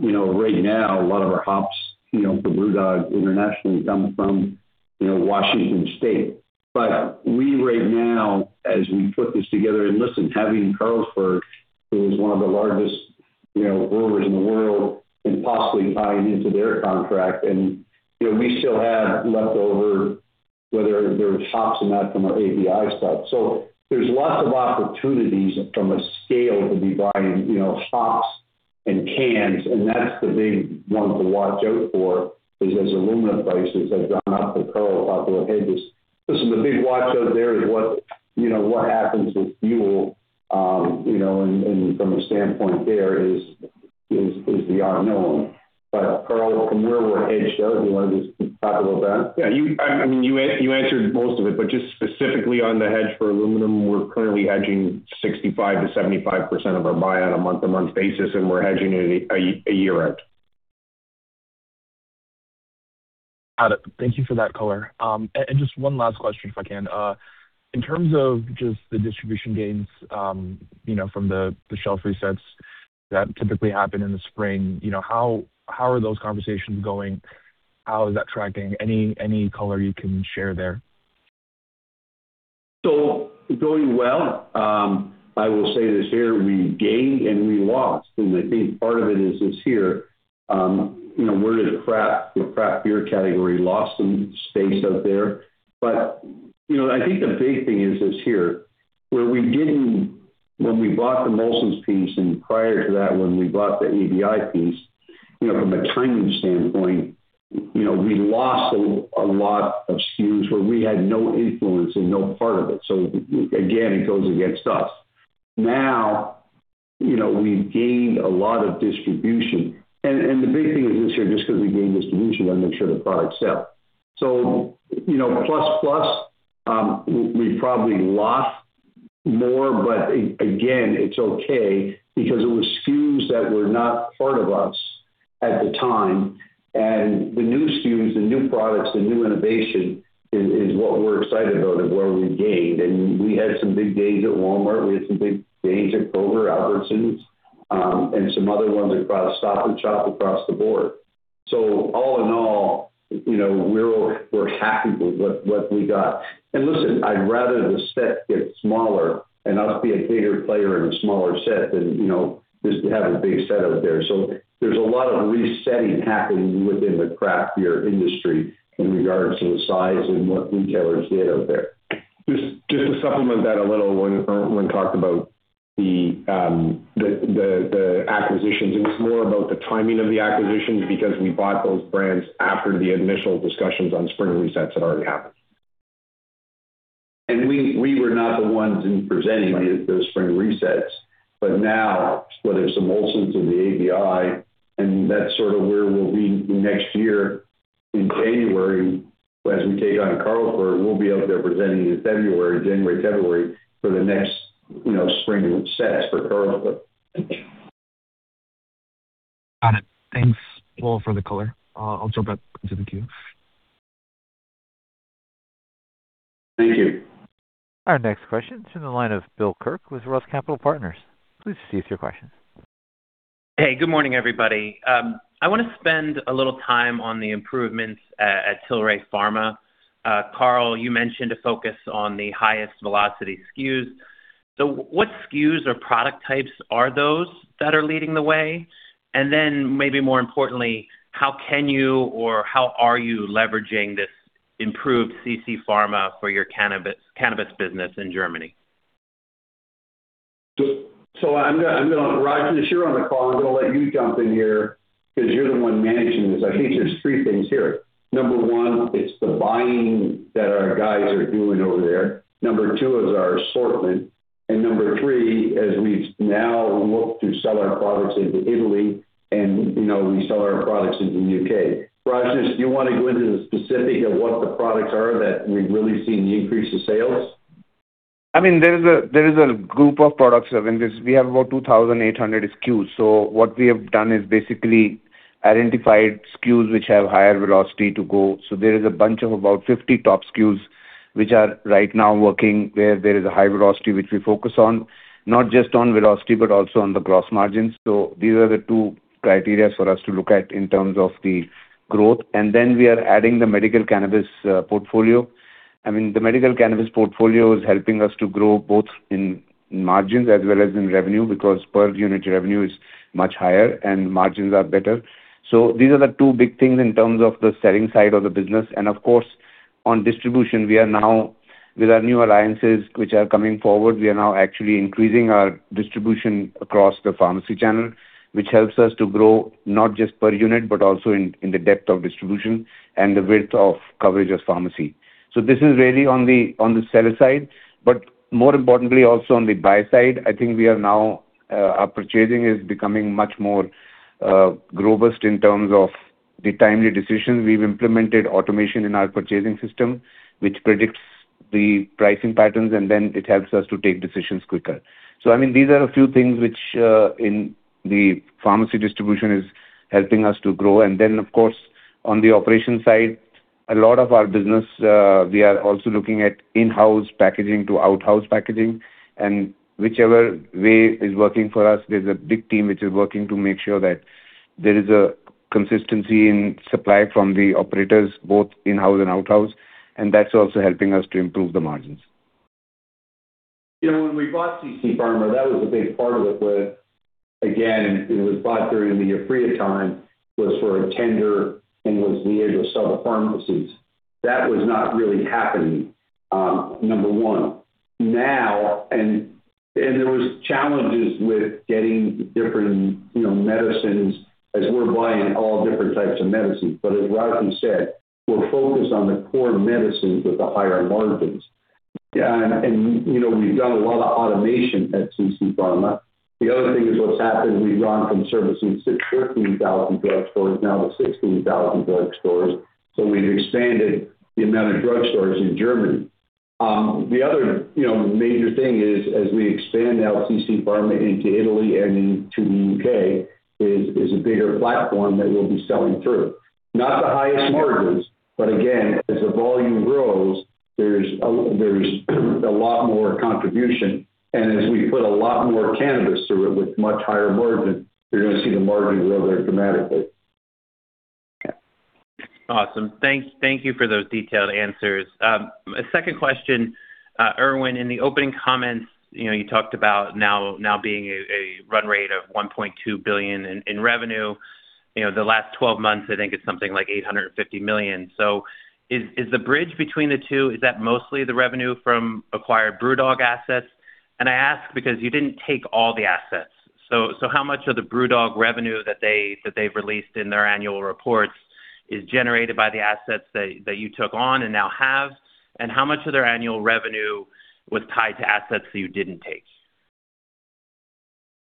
You know, right now, a lot of our hops, you know, for BrewDog internationally come from, you know, Washington State. We right now, as we put this together, listen, having Carlsberg, who is one of the largest, you know, brewers in the world, and possibly tying into their contract and, you know, we still have leftover, whether there's hops or not from our ABI spot. There's lots of opportunities from a scale to be buying, you know, hops and cans, and that's the big one to watch out for, is as aluminum prices have gone up with Carl about their hedges. Listen, the big watch out there is what, you know, what happens with fuel, you know, and from a standpoint there is the unknown. Carl, from your hedge side, do you want to just talk a little about it? Yeah. I mean, you answered most of it, but just specifically on the hedge for aluminum, we're currently hedging 65%-75% of our buy on a month-to-month basis, and we're hedging it a year out. Got it. Thank you for that color. And just one last question, if I can. In terms of just the distribution gains, you know, from the shelf resets that typically happen in the spring, you know, how are those conversations going? How is that tracking? Any color you can share there? Going well. I will say this here, we gained and we lost. I think part of it is here, you know, where the craft beer category lost some space out there. You know, I think the big thing is here, where we didn't when we bought the Molson's piece and prior to that when we bought the ABI piece, you know, from a timing standpoint, you know, we lost a lot of SKUs where we had no influence and no part of it. So again, it goes against us. Now, you know, we've gained a lot of distribution. The big thing is this here, just 'cause we gained distribution, I make sure the products sell. You know, plus, we probably lost more, but again, it's okay because it was SKUs that were not part of us at the time. The new SKUs, the new products, the new innovation is what we're excited about and where we gained. We had some big gains at Walmart. We had some big gains at Kroger, Albertsons, and some other ones across Stop & Shop, across the board. All in all, you know, we're happy with what we got. Listen, I'd rather the set get smaller and us be a bigger player in a smaller set than, you know, just to have a big set out there. There's a lot of resetting happening within the craft beer industry in regards to the size and what retailers did out there. Just to supplement that a little when Irwin talked about the acquisitions, it was more about the timing of the acquisitions because we bought those brands after the initial discussions on spring resets had already happened. We were not the ones in presenting those spring resets. Now whether it's the Molson or the ABI, and that's sort of where we'll be next year in January as we take on Carlsberg, we'll be out there presenting in February, January, February for the next, you know, spring sets for Carlsberg. Got it. Thanks, well, for the color. I'll jump back into the queue. Thank you. Our next question is in the line of Bill Kirk with ROTH Capital Partners. Please proceed with your question. Hey, good morning, everybody. I want to spend a little time on the improvements at Tilray Pharma. Carl, you mentioned a focus on the highest velocity SKUs. What SKUs or product types are those that are leading the way? Maybe more importantly, how can you or how are you leveraging this improved CC Pharma for your cannabis business in Germany? I'm gonna Rajnish, since you're on the call, I'm gonna let you jump in here 'cause you're the one managing this. I think there's three things here. Number one is the buying that our guys are doing over there. Number two is our assortment. And number three, as we now look to sell our products into Italy and, you know, we sell our products into U.K. Rajnish, do you want to go into the specifics of what the products are that we've really seen the increase in sales? I mean, there is a group of products. I mean, we have about 2,800 SKUs. What we have done is basically identified SKUs which have higher velocity to go. There is a bunch of about 50 top SKUs, which are right now working where there is a high velocity, which we focus on, not just on velocity, but also on the gross margins. These are the two criteria for us to look at in terms of the growth. We are adding the medical cannabis portfolio. I mean, the medical cannabis portfolio is helping us to grow both in margins as well as in revenue because per unit revenue is much higher and margins are better. These are the two big things in terms of the selling side of the business. Of course, on distribution, we are now with our new alliances which are coming forward, we are now actually increasing our distribution across the pharmacy channel, which helps us to grow not just per unit, but also in the depth of distribution and the width of coverage of pharmacy. This is really on the seller side, but more importantly also on the buy side. I think our purchasing is becoming much more robust in terms of the timely decisions. We've implemented automation in our purchasing system, which predicts the pricing patterns, and then it helps us to take decisions quicker. I mean, these are a few things which in the pharmacy distribution is helping us to grow. Of course, on the operation side, a lot of our business, we are also looking at in-house packaging to out-house packaging. Whichever way is working for us, there's a big team which is working to make sure that there is a consistency in supply from the operators, both in-house and out-house, and that's also helping us to improve the margins. You know, when we bought CC Pharma, that was a big part of it, but again, it was bought during the Aphria time, was for a tender and was the age of sub pharmacies. That was not really happening. Number one. Now, there was challenges with getting different, you know, medicines as we're buying all different types of medicines. But as Rajnish said, we're focused on the core medicines with the higher margins. Yeah, and you know, we've done a lot of automation at CC Pharma. The other thing is what's happened, we've gone from servicing six to 13,000 drugstores now to 16,000 drugstores. So we've expanded the amount of drugstores in Germany. The other, you know, major thing is as we expand out CC Pharma into Italy and into the U.K. is a bigger platform that we'll be selling through. Not the highest margins, but again, as the volume grows, there's a lot more contribution. As we put a lot more cannabis through it with much higher margins, you're gonna see the margin grow there dramatically. Awesome. Thanks. Thank you for those detailed answers. A second question. Irwin, in the opening comments, you know, you talked about now being a run rate of $1.2 billion in revenue. You know, the last twelve months, I think it's something like $850 million. Is the bridge between the two mostly the revenue from acquired BrewDog assets? And I ask because you didn't take all the assets. How much of the BrewDog revenue that they've released in their annual reports is generated by the assets that you took on and now have? And how much of their annual revenue was tied to assets that you didn't take?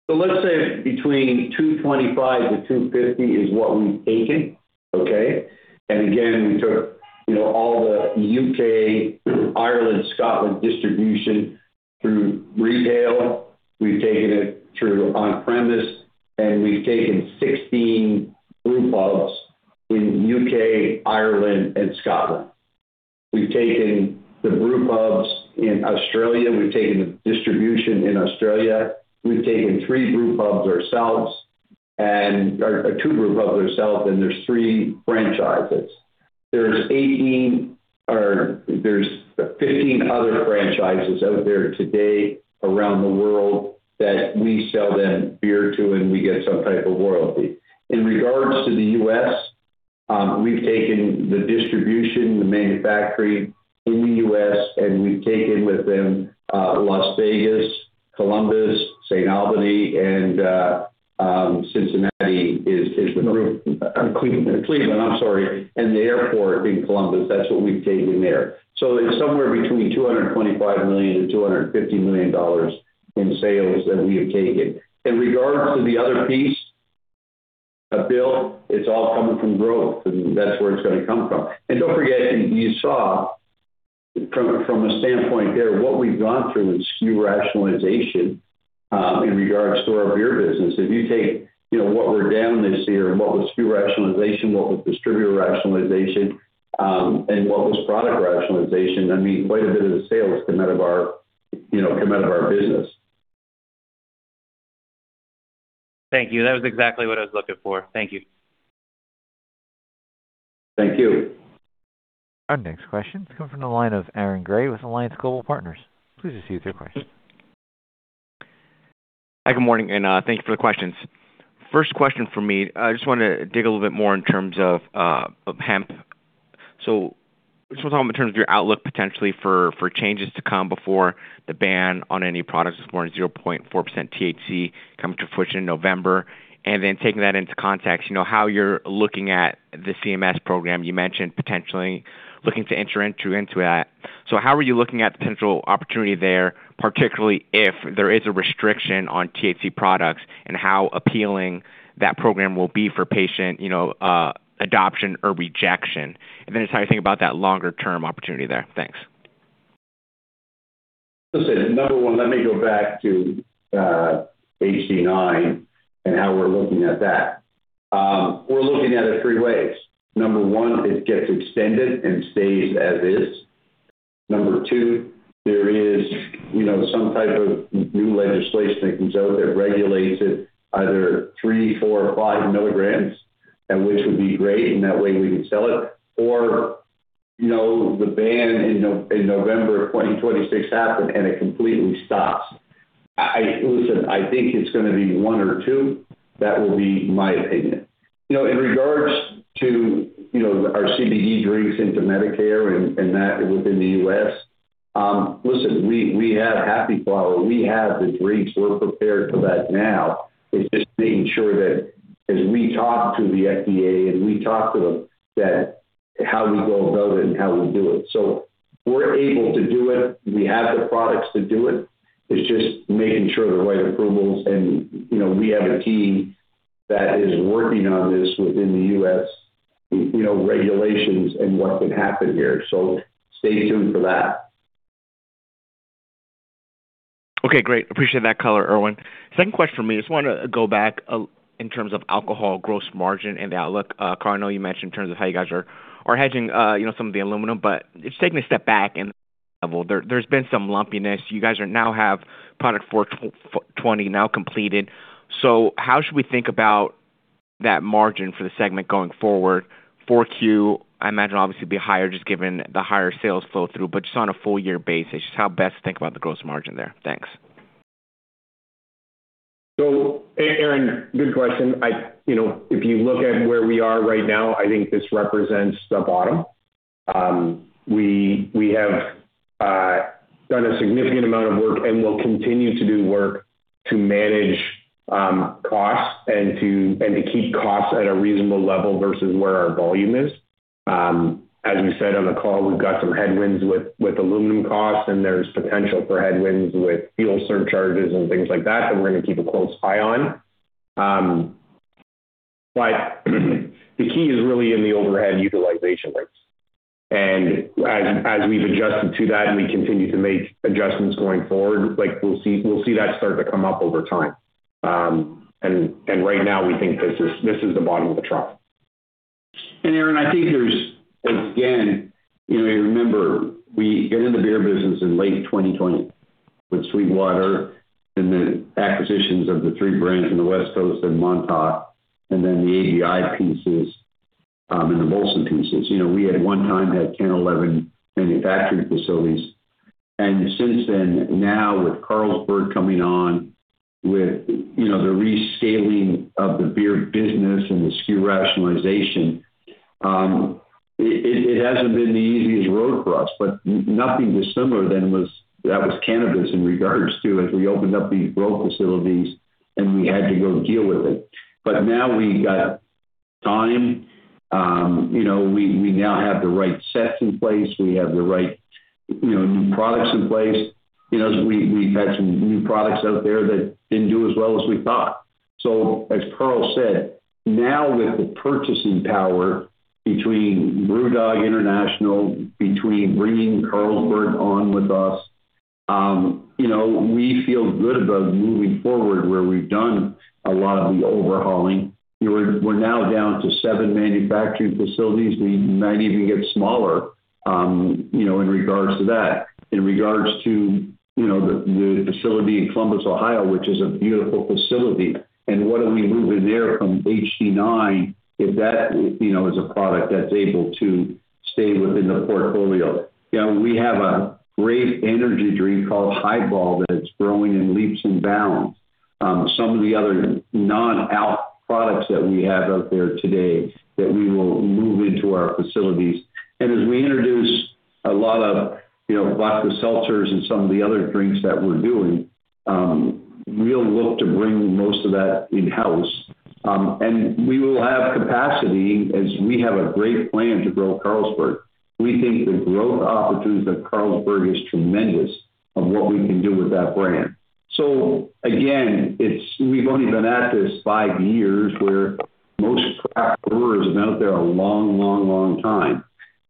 Let's say between 225-250 is what we've taken. Okay? Again, we took, you know, all the U.K., Ireland, Scotland distribution through retail. We've taken it through on-premise, and we've taken 16 BrewPubs in U.K., Ireland, and Scotland. We've taken the BrewPubs in Australia, we've taken the distribution in Australia. We've taken two BrewPubs ourselves, and there's three franchises. There's 15 other franchises out there today around the world that we sell them beer to, and we get some type of royalty. In regards to the U.S., we've taken the distribution, the manufacturing in the U.S., and we've taken with them Las Vegas, Columbus, St. Albans, and Cleveland. And the airport in Columbus. That's what we've taken there. There's somewhere between $225 million and $250 million in sales that we have taken. In regards to the other piece, Bill, it's all coming from growth. I mean, that's where it's gonna come from. Don't forget, you saw from a standpoint there, what we've gone through in SKU rationalization in regards to our beer business. If you take, you know, what we're down this year and what was SKU rationalization, what was distributor rationalization, and what was product rationalization, I mean, quite a bit of the sales come out of our, you know, come out of our business. Thank you. That was exactly what I was looking for. Thank you. Thank you. Our next question is coming from the line of Aaron Grey with Alliance Global Partners. Please proceed with your question. Hi, good morning, and thank you for the questions. First question from me, I just wanna dig a little bit more in terms of of hemp. Just want to talk in terms of your outlook potentially for changes to come before the ban on any products with more than 0.4% THC come to fruition in November. Taking that into context, you know, how you're looking at the CMS program. You mentioned potentially looking to enter into that. How are you looking at the potential opportunity there, particularly if there is a restriction on THC products, and how appealing that program will be for patient, you know, adoption or rejection? Just how you think about that longer term opportunity there. Thanks. Listen, number one, let me go back to Hemp-Derived Delta-9 and how we're looking at that. We're looking at it three ways. Number one, it gets extended and stays as is. Number two, there is, you know, some type of new legislation that comes out that regulates it either 3 mg, 4 mg, or 5 mg, and which would be great, and that way we can sell it. Or, you know, the ban in November 2026 happens, and it completely stops. Listen, I think it's gonna be one or two. That will be my opinion. You know, in regards to, you know, our CBD drinks into Medicare and that within the US, listen, we have Happy Flower. We have the drinks. We're prepared for that now. It's just making sure that as we talk to the FDA and we talk to them that how we go about it and how we do it. We're able to do it. We have the products to do it. It's just making sure the right approvals and, you know, we have a team that is working on this within the U.S., you know, regulations and what could happen here. Stay tuned for that. Okay, great. Appreciate that color, Irwin. Second question for me, I just wanted to go back in terms of alcohol gross margin and the outlook. Carl, I know you mentioned in terms of how you guys are hedging some of the aluminum, but just taking a step back and there's been some lumpiness. You guys now have Project 420 completed. So how should we think about that margin for the segment going forward? Q4, I imagine obviously be higher just given the higher sales flow through, but just on a full-year basis, just how best to think about the gross margin there. Thanks. Aaron, good question. You know, if you look at where we are right now, I think this represents the bottom. We have done a significant amount of work and will continue to do work to manage costs and to keep costs at a reasonable level versus where our volume is. As we said on the call, we've got some headwinds with aluminum costs, and there's potential for headwinds with fuel surcharges and things like that we're gonna keep a close eye on. The key is really in the overhead utilization rates. As we've adjusted to that, and we continue to make adjustments going forward, like we'll see that start to come up over time. Right now we think this is the bottom of the trough. Aaron, I think there's, again, you know, remember we get in the beer business in late 2020 with SweetWater and the acquisitions of the three brands in the West Coast and Montauk, and then the ABI pieces, and the Molson pieces. You know, we at one time had 10, 11 manufacturing facilities. Since then, now with Carlsberg coming on, with, you know, the rescaling of the beer business and the SKU rationalization, it hasn't been the easiest road for us, but nothing dissimilar than was that was cannabis in regards to as we opened up these growth facilities, and we had to go deal with it. Now we got time. You know, we now have the right sets in place. We have the right, you know, new products in place. You know, we've had some new products out there that didn't do as well as we thought. As Carl said, now with the purchasing power between BrewDog International, between bringing Carlsberg on with us, you know, we feel good about moving forward where we've done a lot of the overhauling. You know, we're now down to seven manufacturing facilities. We might even get smaller, you know, in regards to that. In regards to, you know, the facility in Columbus, Ohio, which is a beautiful facility, and what are we moving there from HDD9 if that, you know, is a product that's able to stay within the portfolio. You know, we have a great energy drink called Hi*Ball that's growing in leaps and bounds. Some of the other non-alc products that we have out there today that we will move into our facilities. As we introduce a lot of, you know, vodka seltzers and some of the other drinks that we're doing, we'll look to bring most of that in-house. We will have capacity as we have a great plan to grow Carlsberg. We think the growth opportunities at Carlsberg is tremendous of what we can do with that brand. Again, it's we've only been at this five years, where most craft brewers have been out there a long time.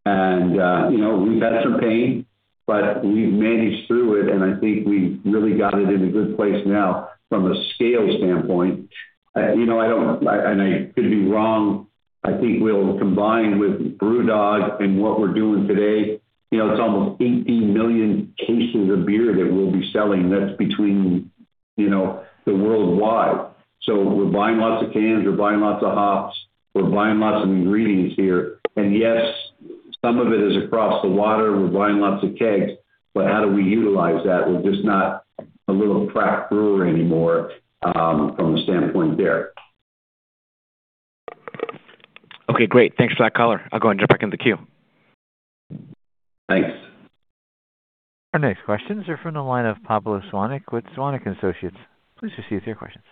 You know, we've had some pain, but we've managed through it, and I think we've really got it in a good place now from a scale standpoint. You know, I could be wrong. I think we'll combine with BrewDog and what we're doing today. You know, it's almost 18 million cases of beer that we'll be selling. That's between, you know, the worldwide. We're buying lots of cans, we're buying lots of hops, we're buying lots of ingredients here. Yes, some of it is across the water. We're buying lots of kegs, but how do we utilize that? We're just not a little craft brewer anymore, from a standpoint there. Okay, great. Thanks for that color. I'll go and jump back in the queue. Thanks. Our next questions are from the line of Pablo Zuanic with Zuanic & Associates. Please proceed with your questions.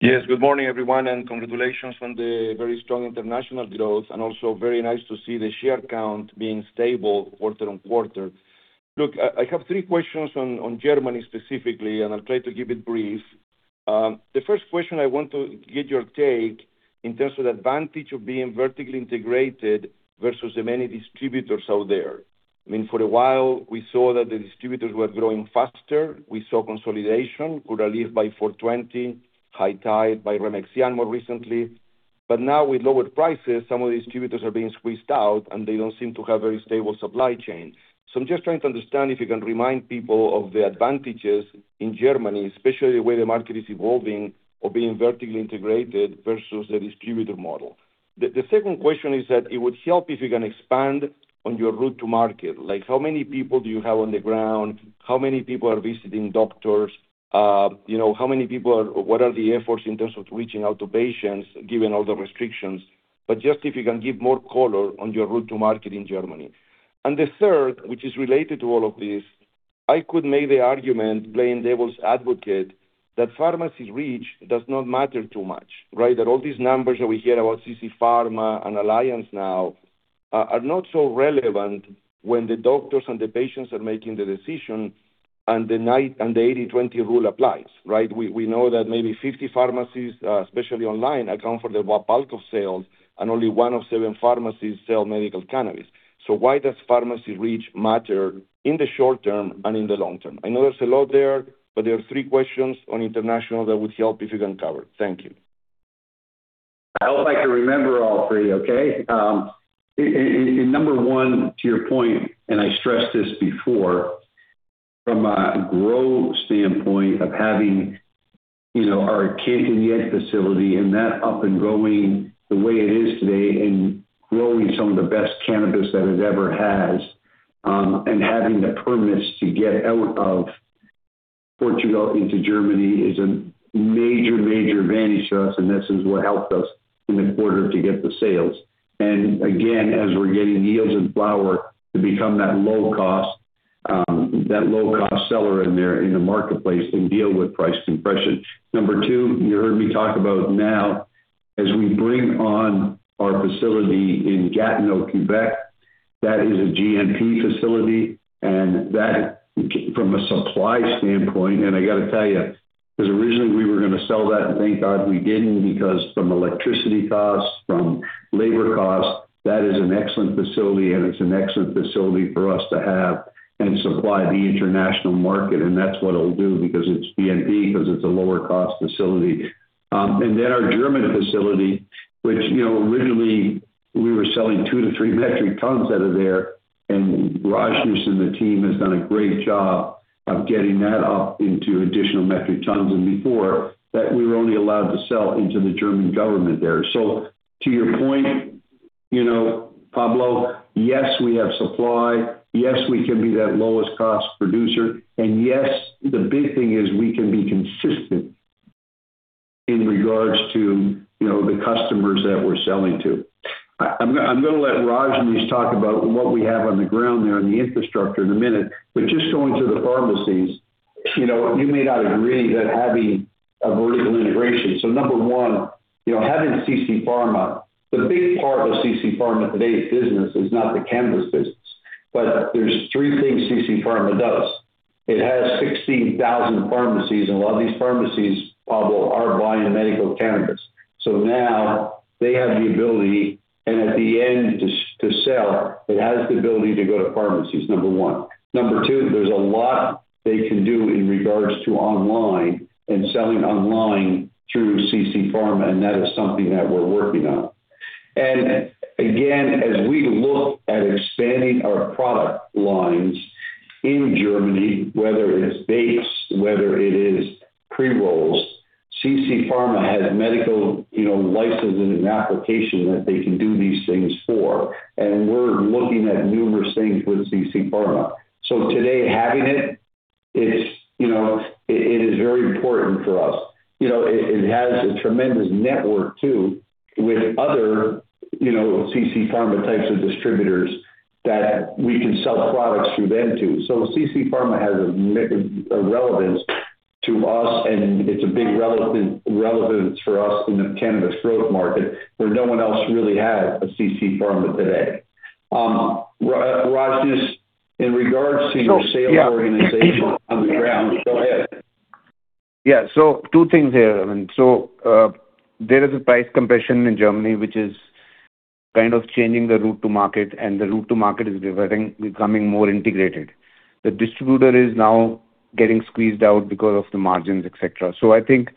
Yes, good morning, everyone, and congratulations on the very strong international growth and also very nice to see the share count being stable quarter-over-quarter. Look, I have three questions on Germany specifically, and I'll try to keep it brief. The first question I want to get your take in terms of the advantage of being vertically integrated versus the many distributors out there. I mean, for a while we saw that the distributors were growing faster. We saw consolidation, Curaleaf by 420, High Tide by Remexian more recently. Now with lowered prices, some of the distributors are being squeezed out, and they don't seem to have very stable supply chain. I'm just trying to understand if you can remind people of the advantages in Germany, especially the way the market is evolving or being vertically integrated versus the distributor model. The second question is that it would help if you can expand on your route to market. Like, how many people do you have on the ground? How many people are visiting doctors? You know, what are the efforts in terms of reaching out to patients given all the restrictions? Just if you can give more color on your route to market in Germany. The third, which is related to all of this, I could make the argument, playing devil's advocate, that pharmacy reach does not matter too much, right? That all these numbers that we hear about CC Pharma and Alliance now are not so relevant when the doctors and the patients are making the decision and the 80/20 rule applies, right? We know that maybe 50 pharmacies, especially online, account for the bulk of sales and only one of seven pharmacies sell medical cannabis. Why does pharmacy reach matter in the short term and in the long term? I know there's a lot there, but there are three questions on international that would help if you can cover. Thank you. I would like to remember all three, okay? In number one, to your point, and I stressed this before, from a growth standpoint of having, you know, our Cantanhede facility and that up and growing the way it is today and growing some of the best cannabis that it ever has, and having the permits to get out of Portugal into Germany is a major advantage to us, and this is what helped us in the quarter to get the sales. Again, as we're getting yields and flower to become that low cost seller in there in the marketplace and deal with price compression. Number two, you heard me talk about now as we bring on our facility in Gatineau, Quebec, that is a GMP facility and that from a supply standpoint. I got to tell you, there's a reason we were going to sell that, and thank God we didn't, because from electricity costs, from labor costs, that is an excellent facility and it's an excellent facility for us to have and supply the international market. That's what it'll do because it's GMP, because it's a lower cost facility. Then our German facility, which, you know, originally we were selling 2 to 3 metric tons out of there. Rajnish and the team has done a great job of getting that up into additional metric tons. Before that we were only allowed to sell into the German government there. To your point, you know, Pablo, yes, we have supply. Yes, we can be that lowest cost producer. Yes, the big thing is we can be consistent in regards to, you know, the customers that we're selling to. I'm going to let Rajnish talk about what we have on the ground there on the infrastructure in a minute. Just going to the pharmacies, you know, you may not agree that having a vertical integration. Number one, you know, having CC Pharma, the big part of CC Pharma today's business is not the cannabis business. There's three things CC Pharma does. It has 60,000 pharmacies, and a lot of these pharmacies, Pablo, are buying medical cannabis. Now they have the ability and at the end to sell, it has the ability to go to pharmacies, number one. Number two, there's a lot they can do in regards to online and selling online through CC Pharma, and that is something that we're working on. Again, as we look at expanding our product lines in Germany, whether it is vapes, whether it is pre-rolls, CC Pharma has medical, you know, licensing application that they can do these things for. We're looking at numerous things with CC Pharma. Today having it is, you know, it is very important for us. You know, it has a tremendous network too with other, you know, CC Pharma types of distributors that we can sell products through them too. CC Pharma has a relevance to us and it's a big relevance for us in the cannabis growth market where no one else really has a CC Pharma today. Rajnish, in regards to your sales organization on the ground. Go ahead. Yeah. Two things here. There is a price compression in Germany which is kind of changing the route to market, and the route to market is diverting, becoming more integrated. The distributor is now getting squeezed out because of the margins, et cetera. I think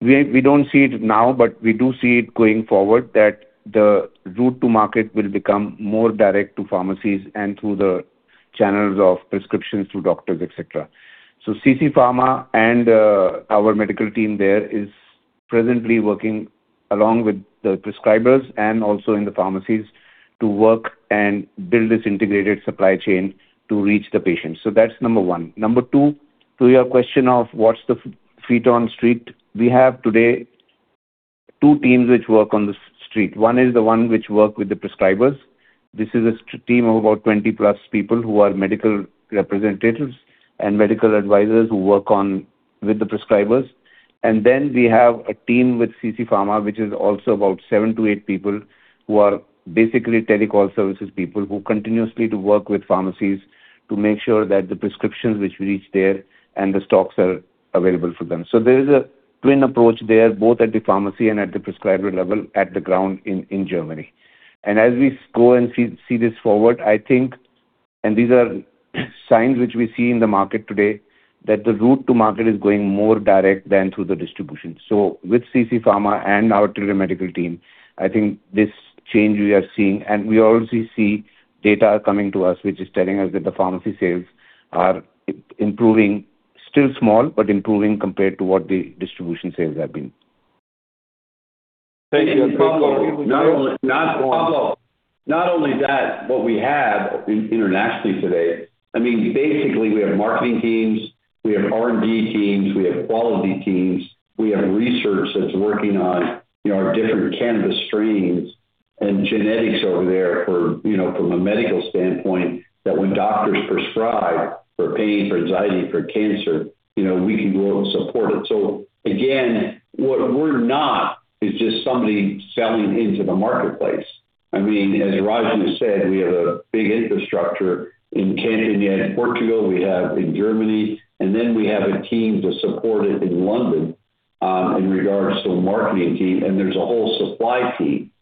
we don't see it now, but we do see it going forward that the route to market will become more direct to pharmacies and through the channels of prescriptions to doctors, et cetera. CC Pharma and our medical team there is presently working along with the prescribers and also in the pharmacies to work and build this integrated supply chain to reach the patients. That's number one. Number two, to your question of what's the feet on street. We have today two teams which work on the street. One is the one which work with the prescribers. This is a team of about 20+ people who are medical representatives and medical advisors who work on with the prescribers. We have a team with CC Pharma, which is also about seven to eight people who are basically telecall services people who continuously to work with pharmacies to make sure that the prescriptions which reach there and the stocks are available for them. There is a twin approach there, both at the pharmacy and at the prescriber level, at the ground in Germany. As we go and see this forward, I think and these are signs which we see in the market today, that the route to market is going more direct than through the distribution. With CC Pharma and our Tilray Medical team, I think this change we are seeing and we also see data coming to us which is telling us that the pharmacy sales are improving. Still small, but improving compared to what the distribution sales have been. Thank you. Pablo, not only that, what we have internationally today, I mean, basically we have marketing teams, we have R&D teams, we have quality teams. We have research that's working on, you know, our different cannabis strains and genetics over there for, you know, from a medical standpoint, that when doctors prescribe for pain, for anxiety, for cancer, you know, we can grow and support it. Again, what we're not is just somebody selling into the marketplace. I mean, as Rajnish said, we have a big infrastructure in Cantanhede, Portugal, we have in Germany, and then we have a team to support it in London, in regards to a marketing team. There's a whole supply team.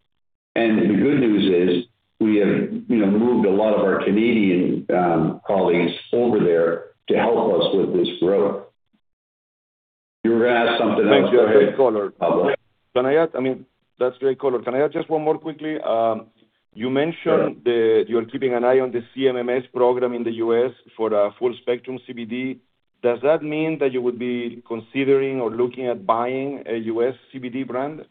The good news is we have, you know, moved a lot of our Canadian colleagues over there to help us with this growth. You were going to ask something else. Go ahead, Pablo. I mean, that's great color. Can I ask just one more quickly? You mentioned Yeah. You're keeping an eye on the CMS program in the U.S. for the full spectrum CBD. Does that mean that you would be considering or looking at buying a U.S. CBD brand?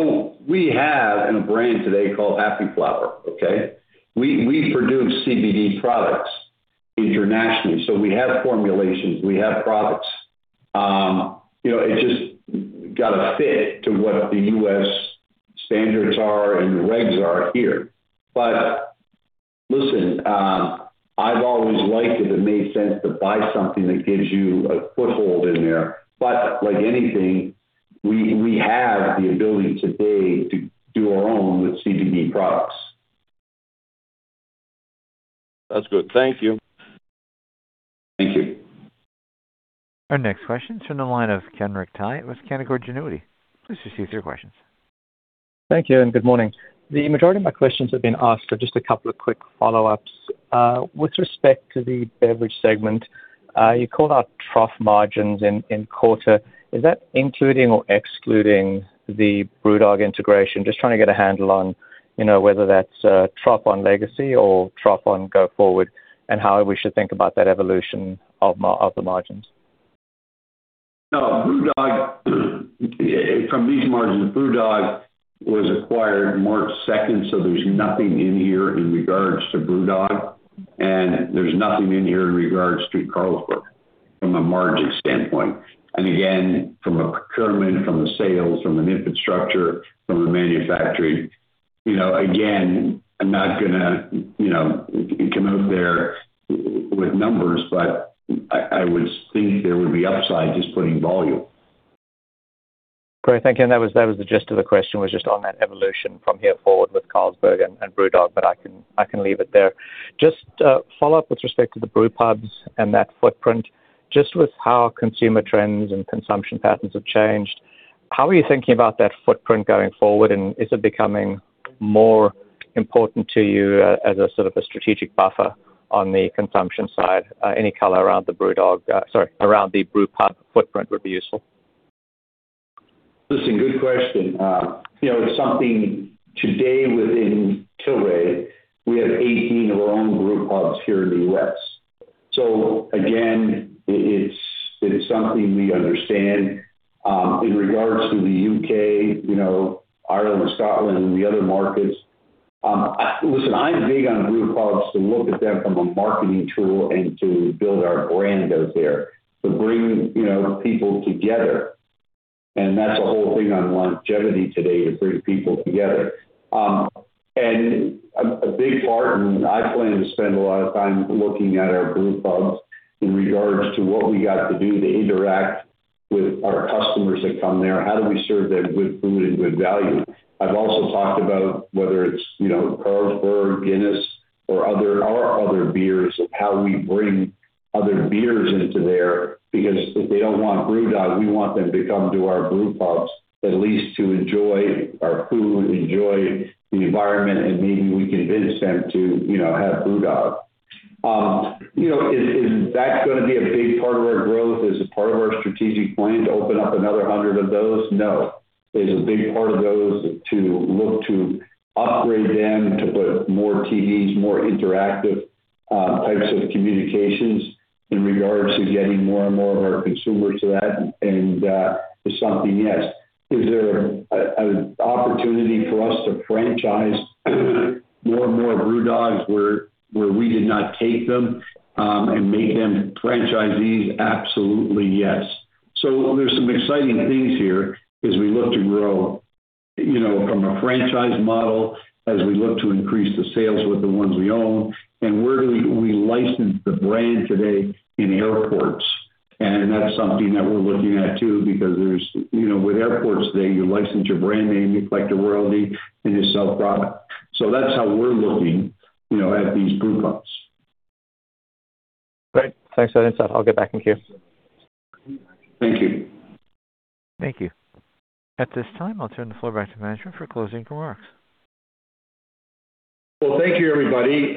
We have a brand today called Happy Flower, okay? We produce CBD products internationally, so we have formulations, we have products. You know, it just gotta fit to what the U.S. standards are and the regs are here. Listen, I've always liked if it made sense to buy something that gives you a foothold in there. Like anything, we have the ability today to do our own with CBD products. That's good. Thank you. Thank you. Our next question is from the line of Kenric Tyghe with Canaccord Genuity. Please proceed with your questions. Thank you, and good morning. The majority of my questions have been asked, so just a couple of quick follow-ups. With respect to the beverage segment, you called out trough margins in quarter. Is that including or excluding the BrewDog integration? Just trying to get a handle on, you know, whether that's a trough on legacy or trough on go forward and how we should think about that evolution of the margins. No, BrewDog. From these margins, BrewDog was acquired March 2nd, so there's nothing in here in regards to BrewDog, and there's nothing in here in regards to Carlsberg from a margin standpoint. Again, from a procurement, from the sales, from an infrastructure, from the manufacturing, you know, again, I'm not gonna, you know, come out there with numbers, but I would think there would be upside just putting volume. Great. Thank you. That was the gist of the question, was just on that evolution from here forward with Carlsberg and BrewDog, but I can leave it there. Just a follow-up with respect to the brewpubs and that footprint. Just with how consumer trends and consumption patterns have changed, how are you thinking about that footprint going forward? Is it becoming more important to you as a sort of a strategic buffer on the consumption side? Any color around the brewpub footprint would be useful. Listen, good question. You know, it's something today within Tilray, we have 18 of our own brewpubs here in the U.S. Again, it's something we understand. In regards to the U.K., you know, Ireland, Scotland and the other markets, listen, I'm big on brewpubs to look at them from a marketing tool and to build our brand out there, to bring, you know, people together. That's a whole thing on longevity today, to bring people together. A big part, and I plan to spend a lot of time looking at our brewpubs in regards to what we got to do to interact with our customers that come there. How do we serve them good food and good value? I've also talked about whether it's, you know, Carlsberg, Guinness or other our other beers of how we bring other beers into there, because if they don't want BrewDog, we want them to come to our brewpubs at least to enjoy our food, enjoy the environment, and maybe we convince them to, you know, have BrewDog. You know, is that gonna be a big part of our growth as a part of our strategic plan to open up another 100 of those? No. Is a big part of those to look to upgrade them, to put more TVs, more interactive types of communications in regards to getting more and more of our consumers to that and is something, yes. Is there a opportunity for us to franchise more and more BrewDogs where we did not take them and make them franchisees? Absolutely, yes. There's some exciting things here as we look to grow, you know, from a franchise model, as we look to increase the sales with the ones we own and where do we license the brand today in airports. That's something that we're looking at too, because there's, you know, with airports today, you license your brand name, you collect a royalty, and you sell product. That's how we're looking, you know, at these brewpubs. Great. Thanks for that insight. I'll get back with you. Thank you. Thank you. At this time, I'll turn the floor back to management for closing remarks. Well, thank you, everybody.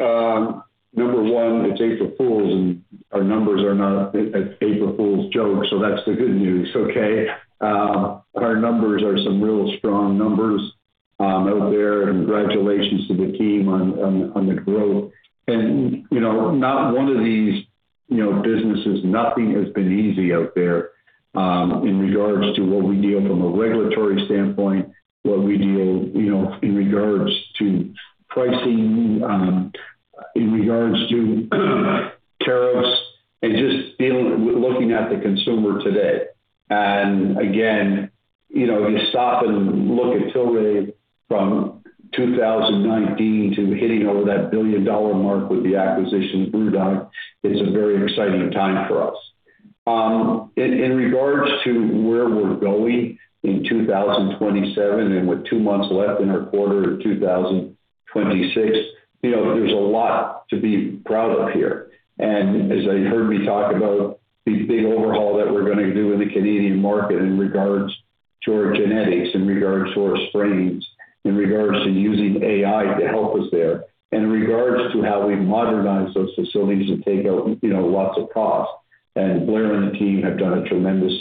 Number one, it's April Fools, and our numbers are not an April Fools joke, so that's the good news, okay? Our numbers are some real strong numbers out there, and congratulations to the team on the growth. You know, not one of these, you know, businesses, nothing has been easy out there in regards to what we deal from a regulatory standpoint, what we deal, you know, in regards to pricing in regards to tariffs and just looking at the consumer today. Again, you know, you stop and look at Tilray from 2019 to hitting over the $1 billion mark with the acquisition of BrewDog is a very exciting time for us. In regards to where we're going in 2027 and with two months left in our quarter of 2026, you know, there's a lot to be proud of here. As you heard me talk about the big overhaul that we're gonna do in the Canadian market in regards to our genetics, in regards to our strains, in regards to using AI to help us there, in regards to how we modernize those facilities to take out, you know, lots of costs. Blair and the team have done a tremendous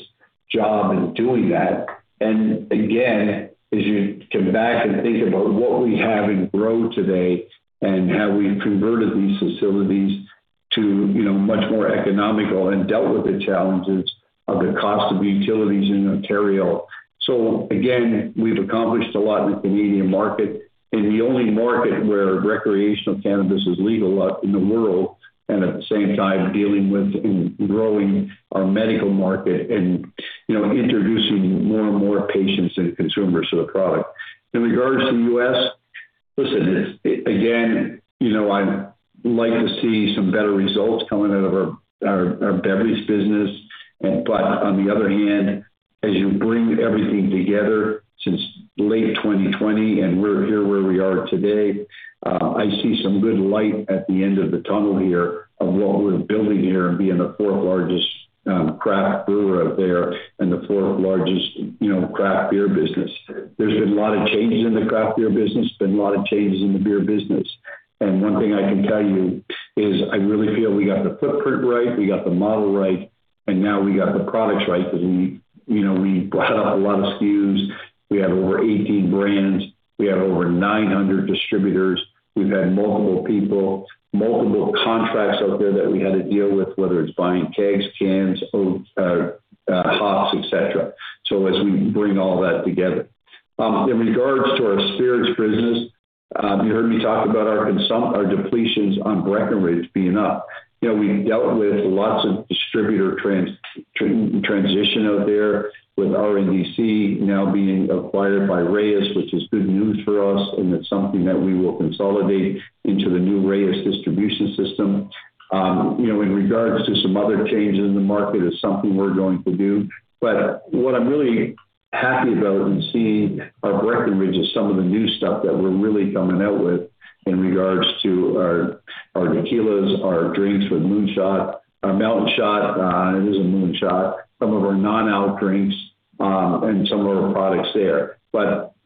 job in doing that. Again, as you come back and think about what we have in grow today and how we've converted these facilities to, you know, much more economical and dealt with the challenges of the cost of utilities in Ontario. Again, we've accomplished a lot in the Canadian market, in the only market where recreational cannabis is legal in the world, and at the same time dealing with and growing our medical market and, you know, introducing more and more patients and consumers to the product. In regards to U.S., listen, again, you know, I'd like to see some better results coming out of our beverage business. But on the other hand, as you bring everything together since late 2020 and we're here where we are today, I see some good light at the end of the tunnel here of what we're building here and being the fourth-largest craft brewer out there and the fourth-largest, you know, craft beer business. There's been a lot of changes in the craft beer business, been a lot of changes in the beer business. One thing I can tell you is I really feel we got the footprint right, we got the model right, and now we got the products right because we, you know, we brought up a lot of SKUs. We have over 18 brands. We have over 900 distributors. We've had multiple people, multiple contracts out there that we had to deal with, whether it's buying kegs, cans, oats, hops, et cetera. As we bring all that together. In regards to our spirits business, you heard me talk about our consumpt our depletions on Breckenridge being up. You know, we dealt with lots of distributor trans-trans-transition out there with RNDC now being acquired by Reyes, which is good news for us, and it's something that we will consolidate into the new Reyes distribution system. You know, in regards to some other changes in the market is something we're going to do. What I'm really happy about in seeing our Breckenridge is some of the new stuff that we're really coming out with in regards to our tequilas, our drinks with Moonshot, our Mountain Shot, it is a Moonshot, some of our non-alc drinks, and some of our products there.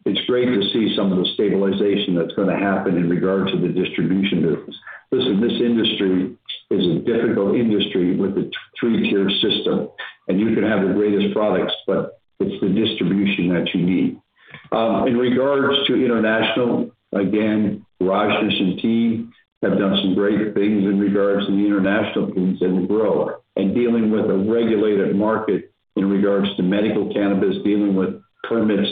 It's great to see some of the stabilization that's gonna happen in regards to the distribution moves. Listen, this industry is a difficult industry with a three-tier system, and you can have the greatest products, but it's the distribution that you need. In regards to international, again, Rajnish and team have done some great things in regards to the international piece and the grower and dealing with a regulated market in regards to medical cannabis, dealing with permits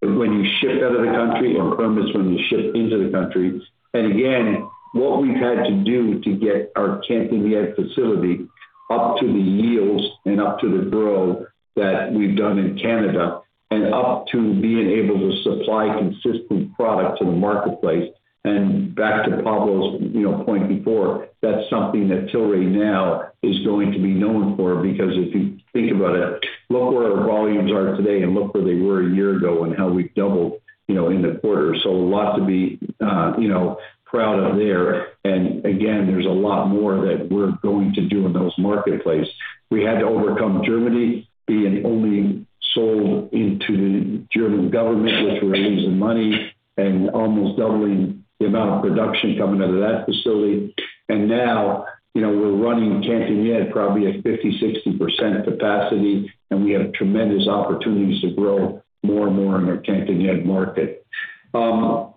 when you ship out of the country or permits when you ship into the country. Again, what we've had to do to get our Cantanhede facility up to the yields and up to the grow that we've done in Canada and up to being able to supply consistent product to the marketplace. Back to Pablo's, you know, point before, that's something that Tilray now is going to be known for because if you think about it, look where our volumes are today and look where they were a year ago and how we've doubled, you know, in the quarter. A lot to be, you know, proud of there. Again, there's a lot more that we're going to do in those marketplaces. We had to overcome Germany being only sold into the German government, which we're losing money and almost doubling the amount of production coming out of that facility. Now, we're running Cantanhede probably at 50%-60% capacity, and we have tremendous opportunities to grow more and more in our Cantanhede market.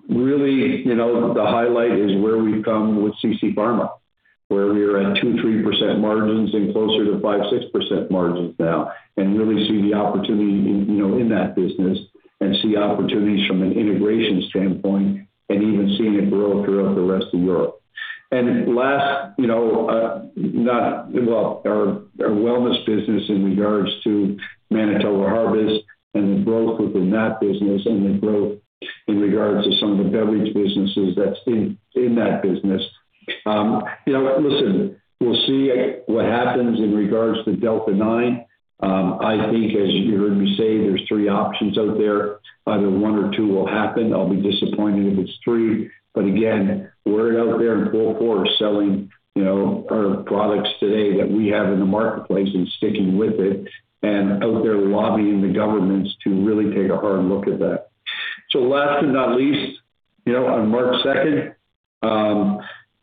Really, the highlight is where we've come with CC Pharma, where we're at 2%-3% margins and closer to 5%-6% margins now. We really see the opportunity in that business and see opportunities from an integration standpoint and even seeing it grow throughout the rest of Europe. Last, not... Well, our wellness business in regards to Manitoba Harvest and the growth within that business and the growth in regards to some of the beverage businesses that's in that business. You know, listen, we'll see what happens in regards to Delta-9. I think as you heard me say, there's three options out there. Either one or two will happen. I'll be disappointed if it's three. Again, we're out there in full force selling, you know, our products today that we have in the marketplace and sticking with it and out there lobbying the governments to really take a hard look at that. Last but not least, you know, on March second,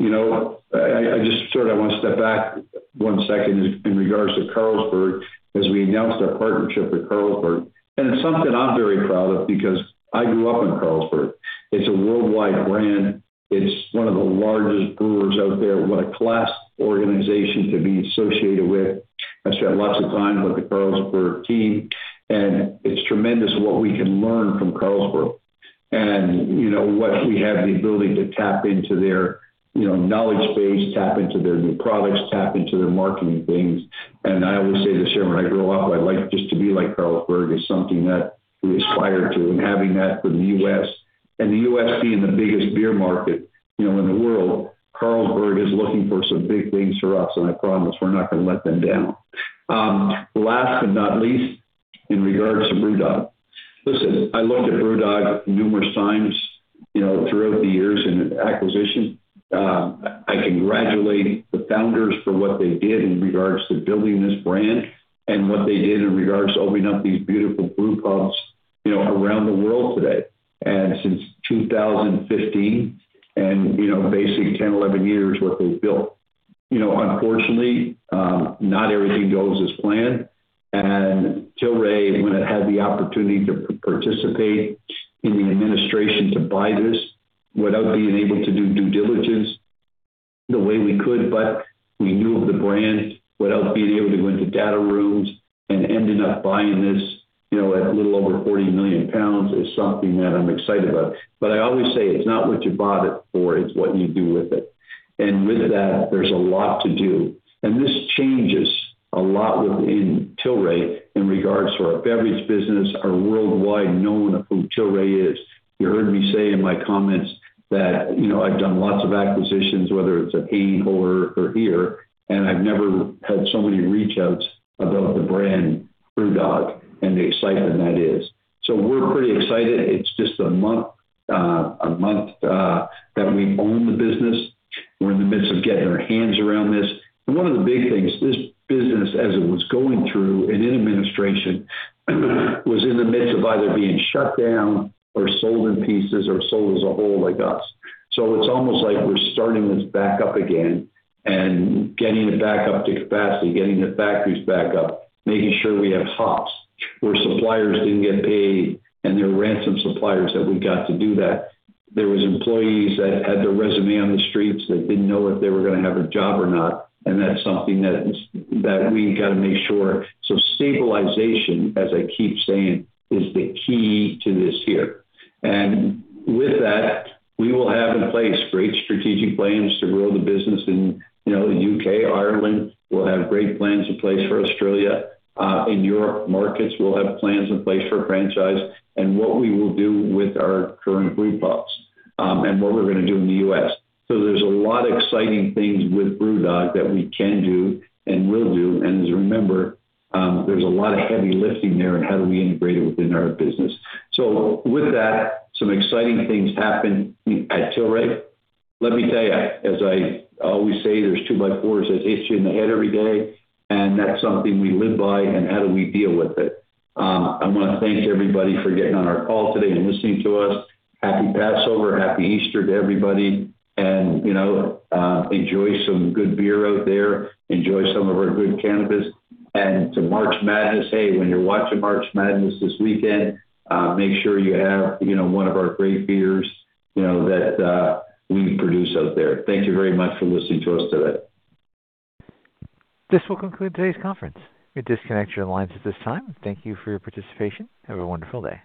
you know, I just sort of wanna step back one second in regards to Carlsberg, as we announced our partnership with Carlsberg. It's something I'm very proud of because I grew up on Carlsberg. It's a worldwide brand. It's one of the largest brewers out there. What a class organization to be associated with. I spent lots of time with the Carlsberg team, and it's tremendous what we can learn from Carlsberg. You know, what we have the ability to tap into their, you know, knowledge base, tap into their new products, tap into their marketing things. I always say this, when I grow up, I'd like just to be lik e Carlsberg is something that we aspire to and having that for the U.S. The U.S. being the biggest beer market, you know, in the world, Carlsberg is looking for some big things for us, and I promise we're not gonna let them down. Last but not least, in regards to BrewDog. I looked at BrewDog numerous times, you know, throughout the years in acquisition. I congratulate the founders for what they did in regards to building this brand and what they did in regards to opening up these beautiful brew pubs, you know, around the world today. Since 2015 and, you know, basically 10, 11 years what they've built. You know, unfortunately, not everything goes as planned. Tilray, when it had the opportunity to participate in the administration to buy this without being able to do due diligence the way we could, but we knew of the brand, without being able to go into data rooms and ending up buying this, you know, at a little over 40 million pounds is something that I'm excited about. I always say it's not what you bought it for, it's what you do with it. With that, there's a lot to do. This changes a lot within Tilray in regards to our beverage business, our worldwide known of who Tilray is. You heard me say in my comments that, you know, I've done lots of acquisitions, whether it's at Anheuser or here, and I've never had so many reach outs about the brand BrewDog and the excitement that is. We're pretty excited. It's just a month that we own the business. We're in the midst of getting our hands around this. One of the big things, this business, as it was going through and in administration, was in the midst of either being shut down or sold in pieces or sold as a whole like us. It's almost like we're starting this back up again and getting it back up to capacity, getting the factories back up, making sure we have hops, where suppliers didn't get paid, and there were random suppliers that we got to do that. There were employees that had their resumes on the streets that didn't know if they were gonna have a job or not, and that's something that we've got to make sure. Stabilization, as I keep saying, is the key to this year. With that, we will have in place great strategic plans to grow the business in, you know, the U.K., Ireland. We'll have great plans in place for Australia. In European markets, we'll have plans in place for France. What we will do with our current brew pubs, and what we're gonna do in the U.S. There's a lot of exciting things with BrewDog that we can do and will do. Remember, there's a lot of heavy lifting there on how do we integrate it within our business. With that, some exciting things happen at Tilray. Let me tell you, as I always say, there's two by fours that hit you in the head every day, and that's something we live by and how do we deal with it. I want to thank everybody for getting on our call today and listening to us. Happy Passover. Happy Easter to everybody. You know, enjoy some good beer out there. Enjoy some of our good cannabis. To March Madness, hey, when you're watching March Madness this weekend, make sure you have, you know, one of our great beers, you know, that we produce out there. Thank you very much for listening to us today. This will conclude today's conference. You disconnect your lines at this time. Thank you for your participation. Have a wonderful day.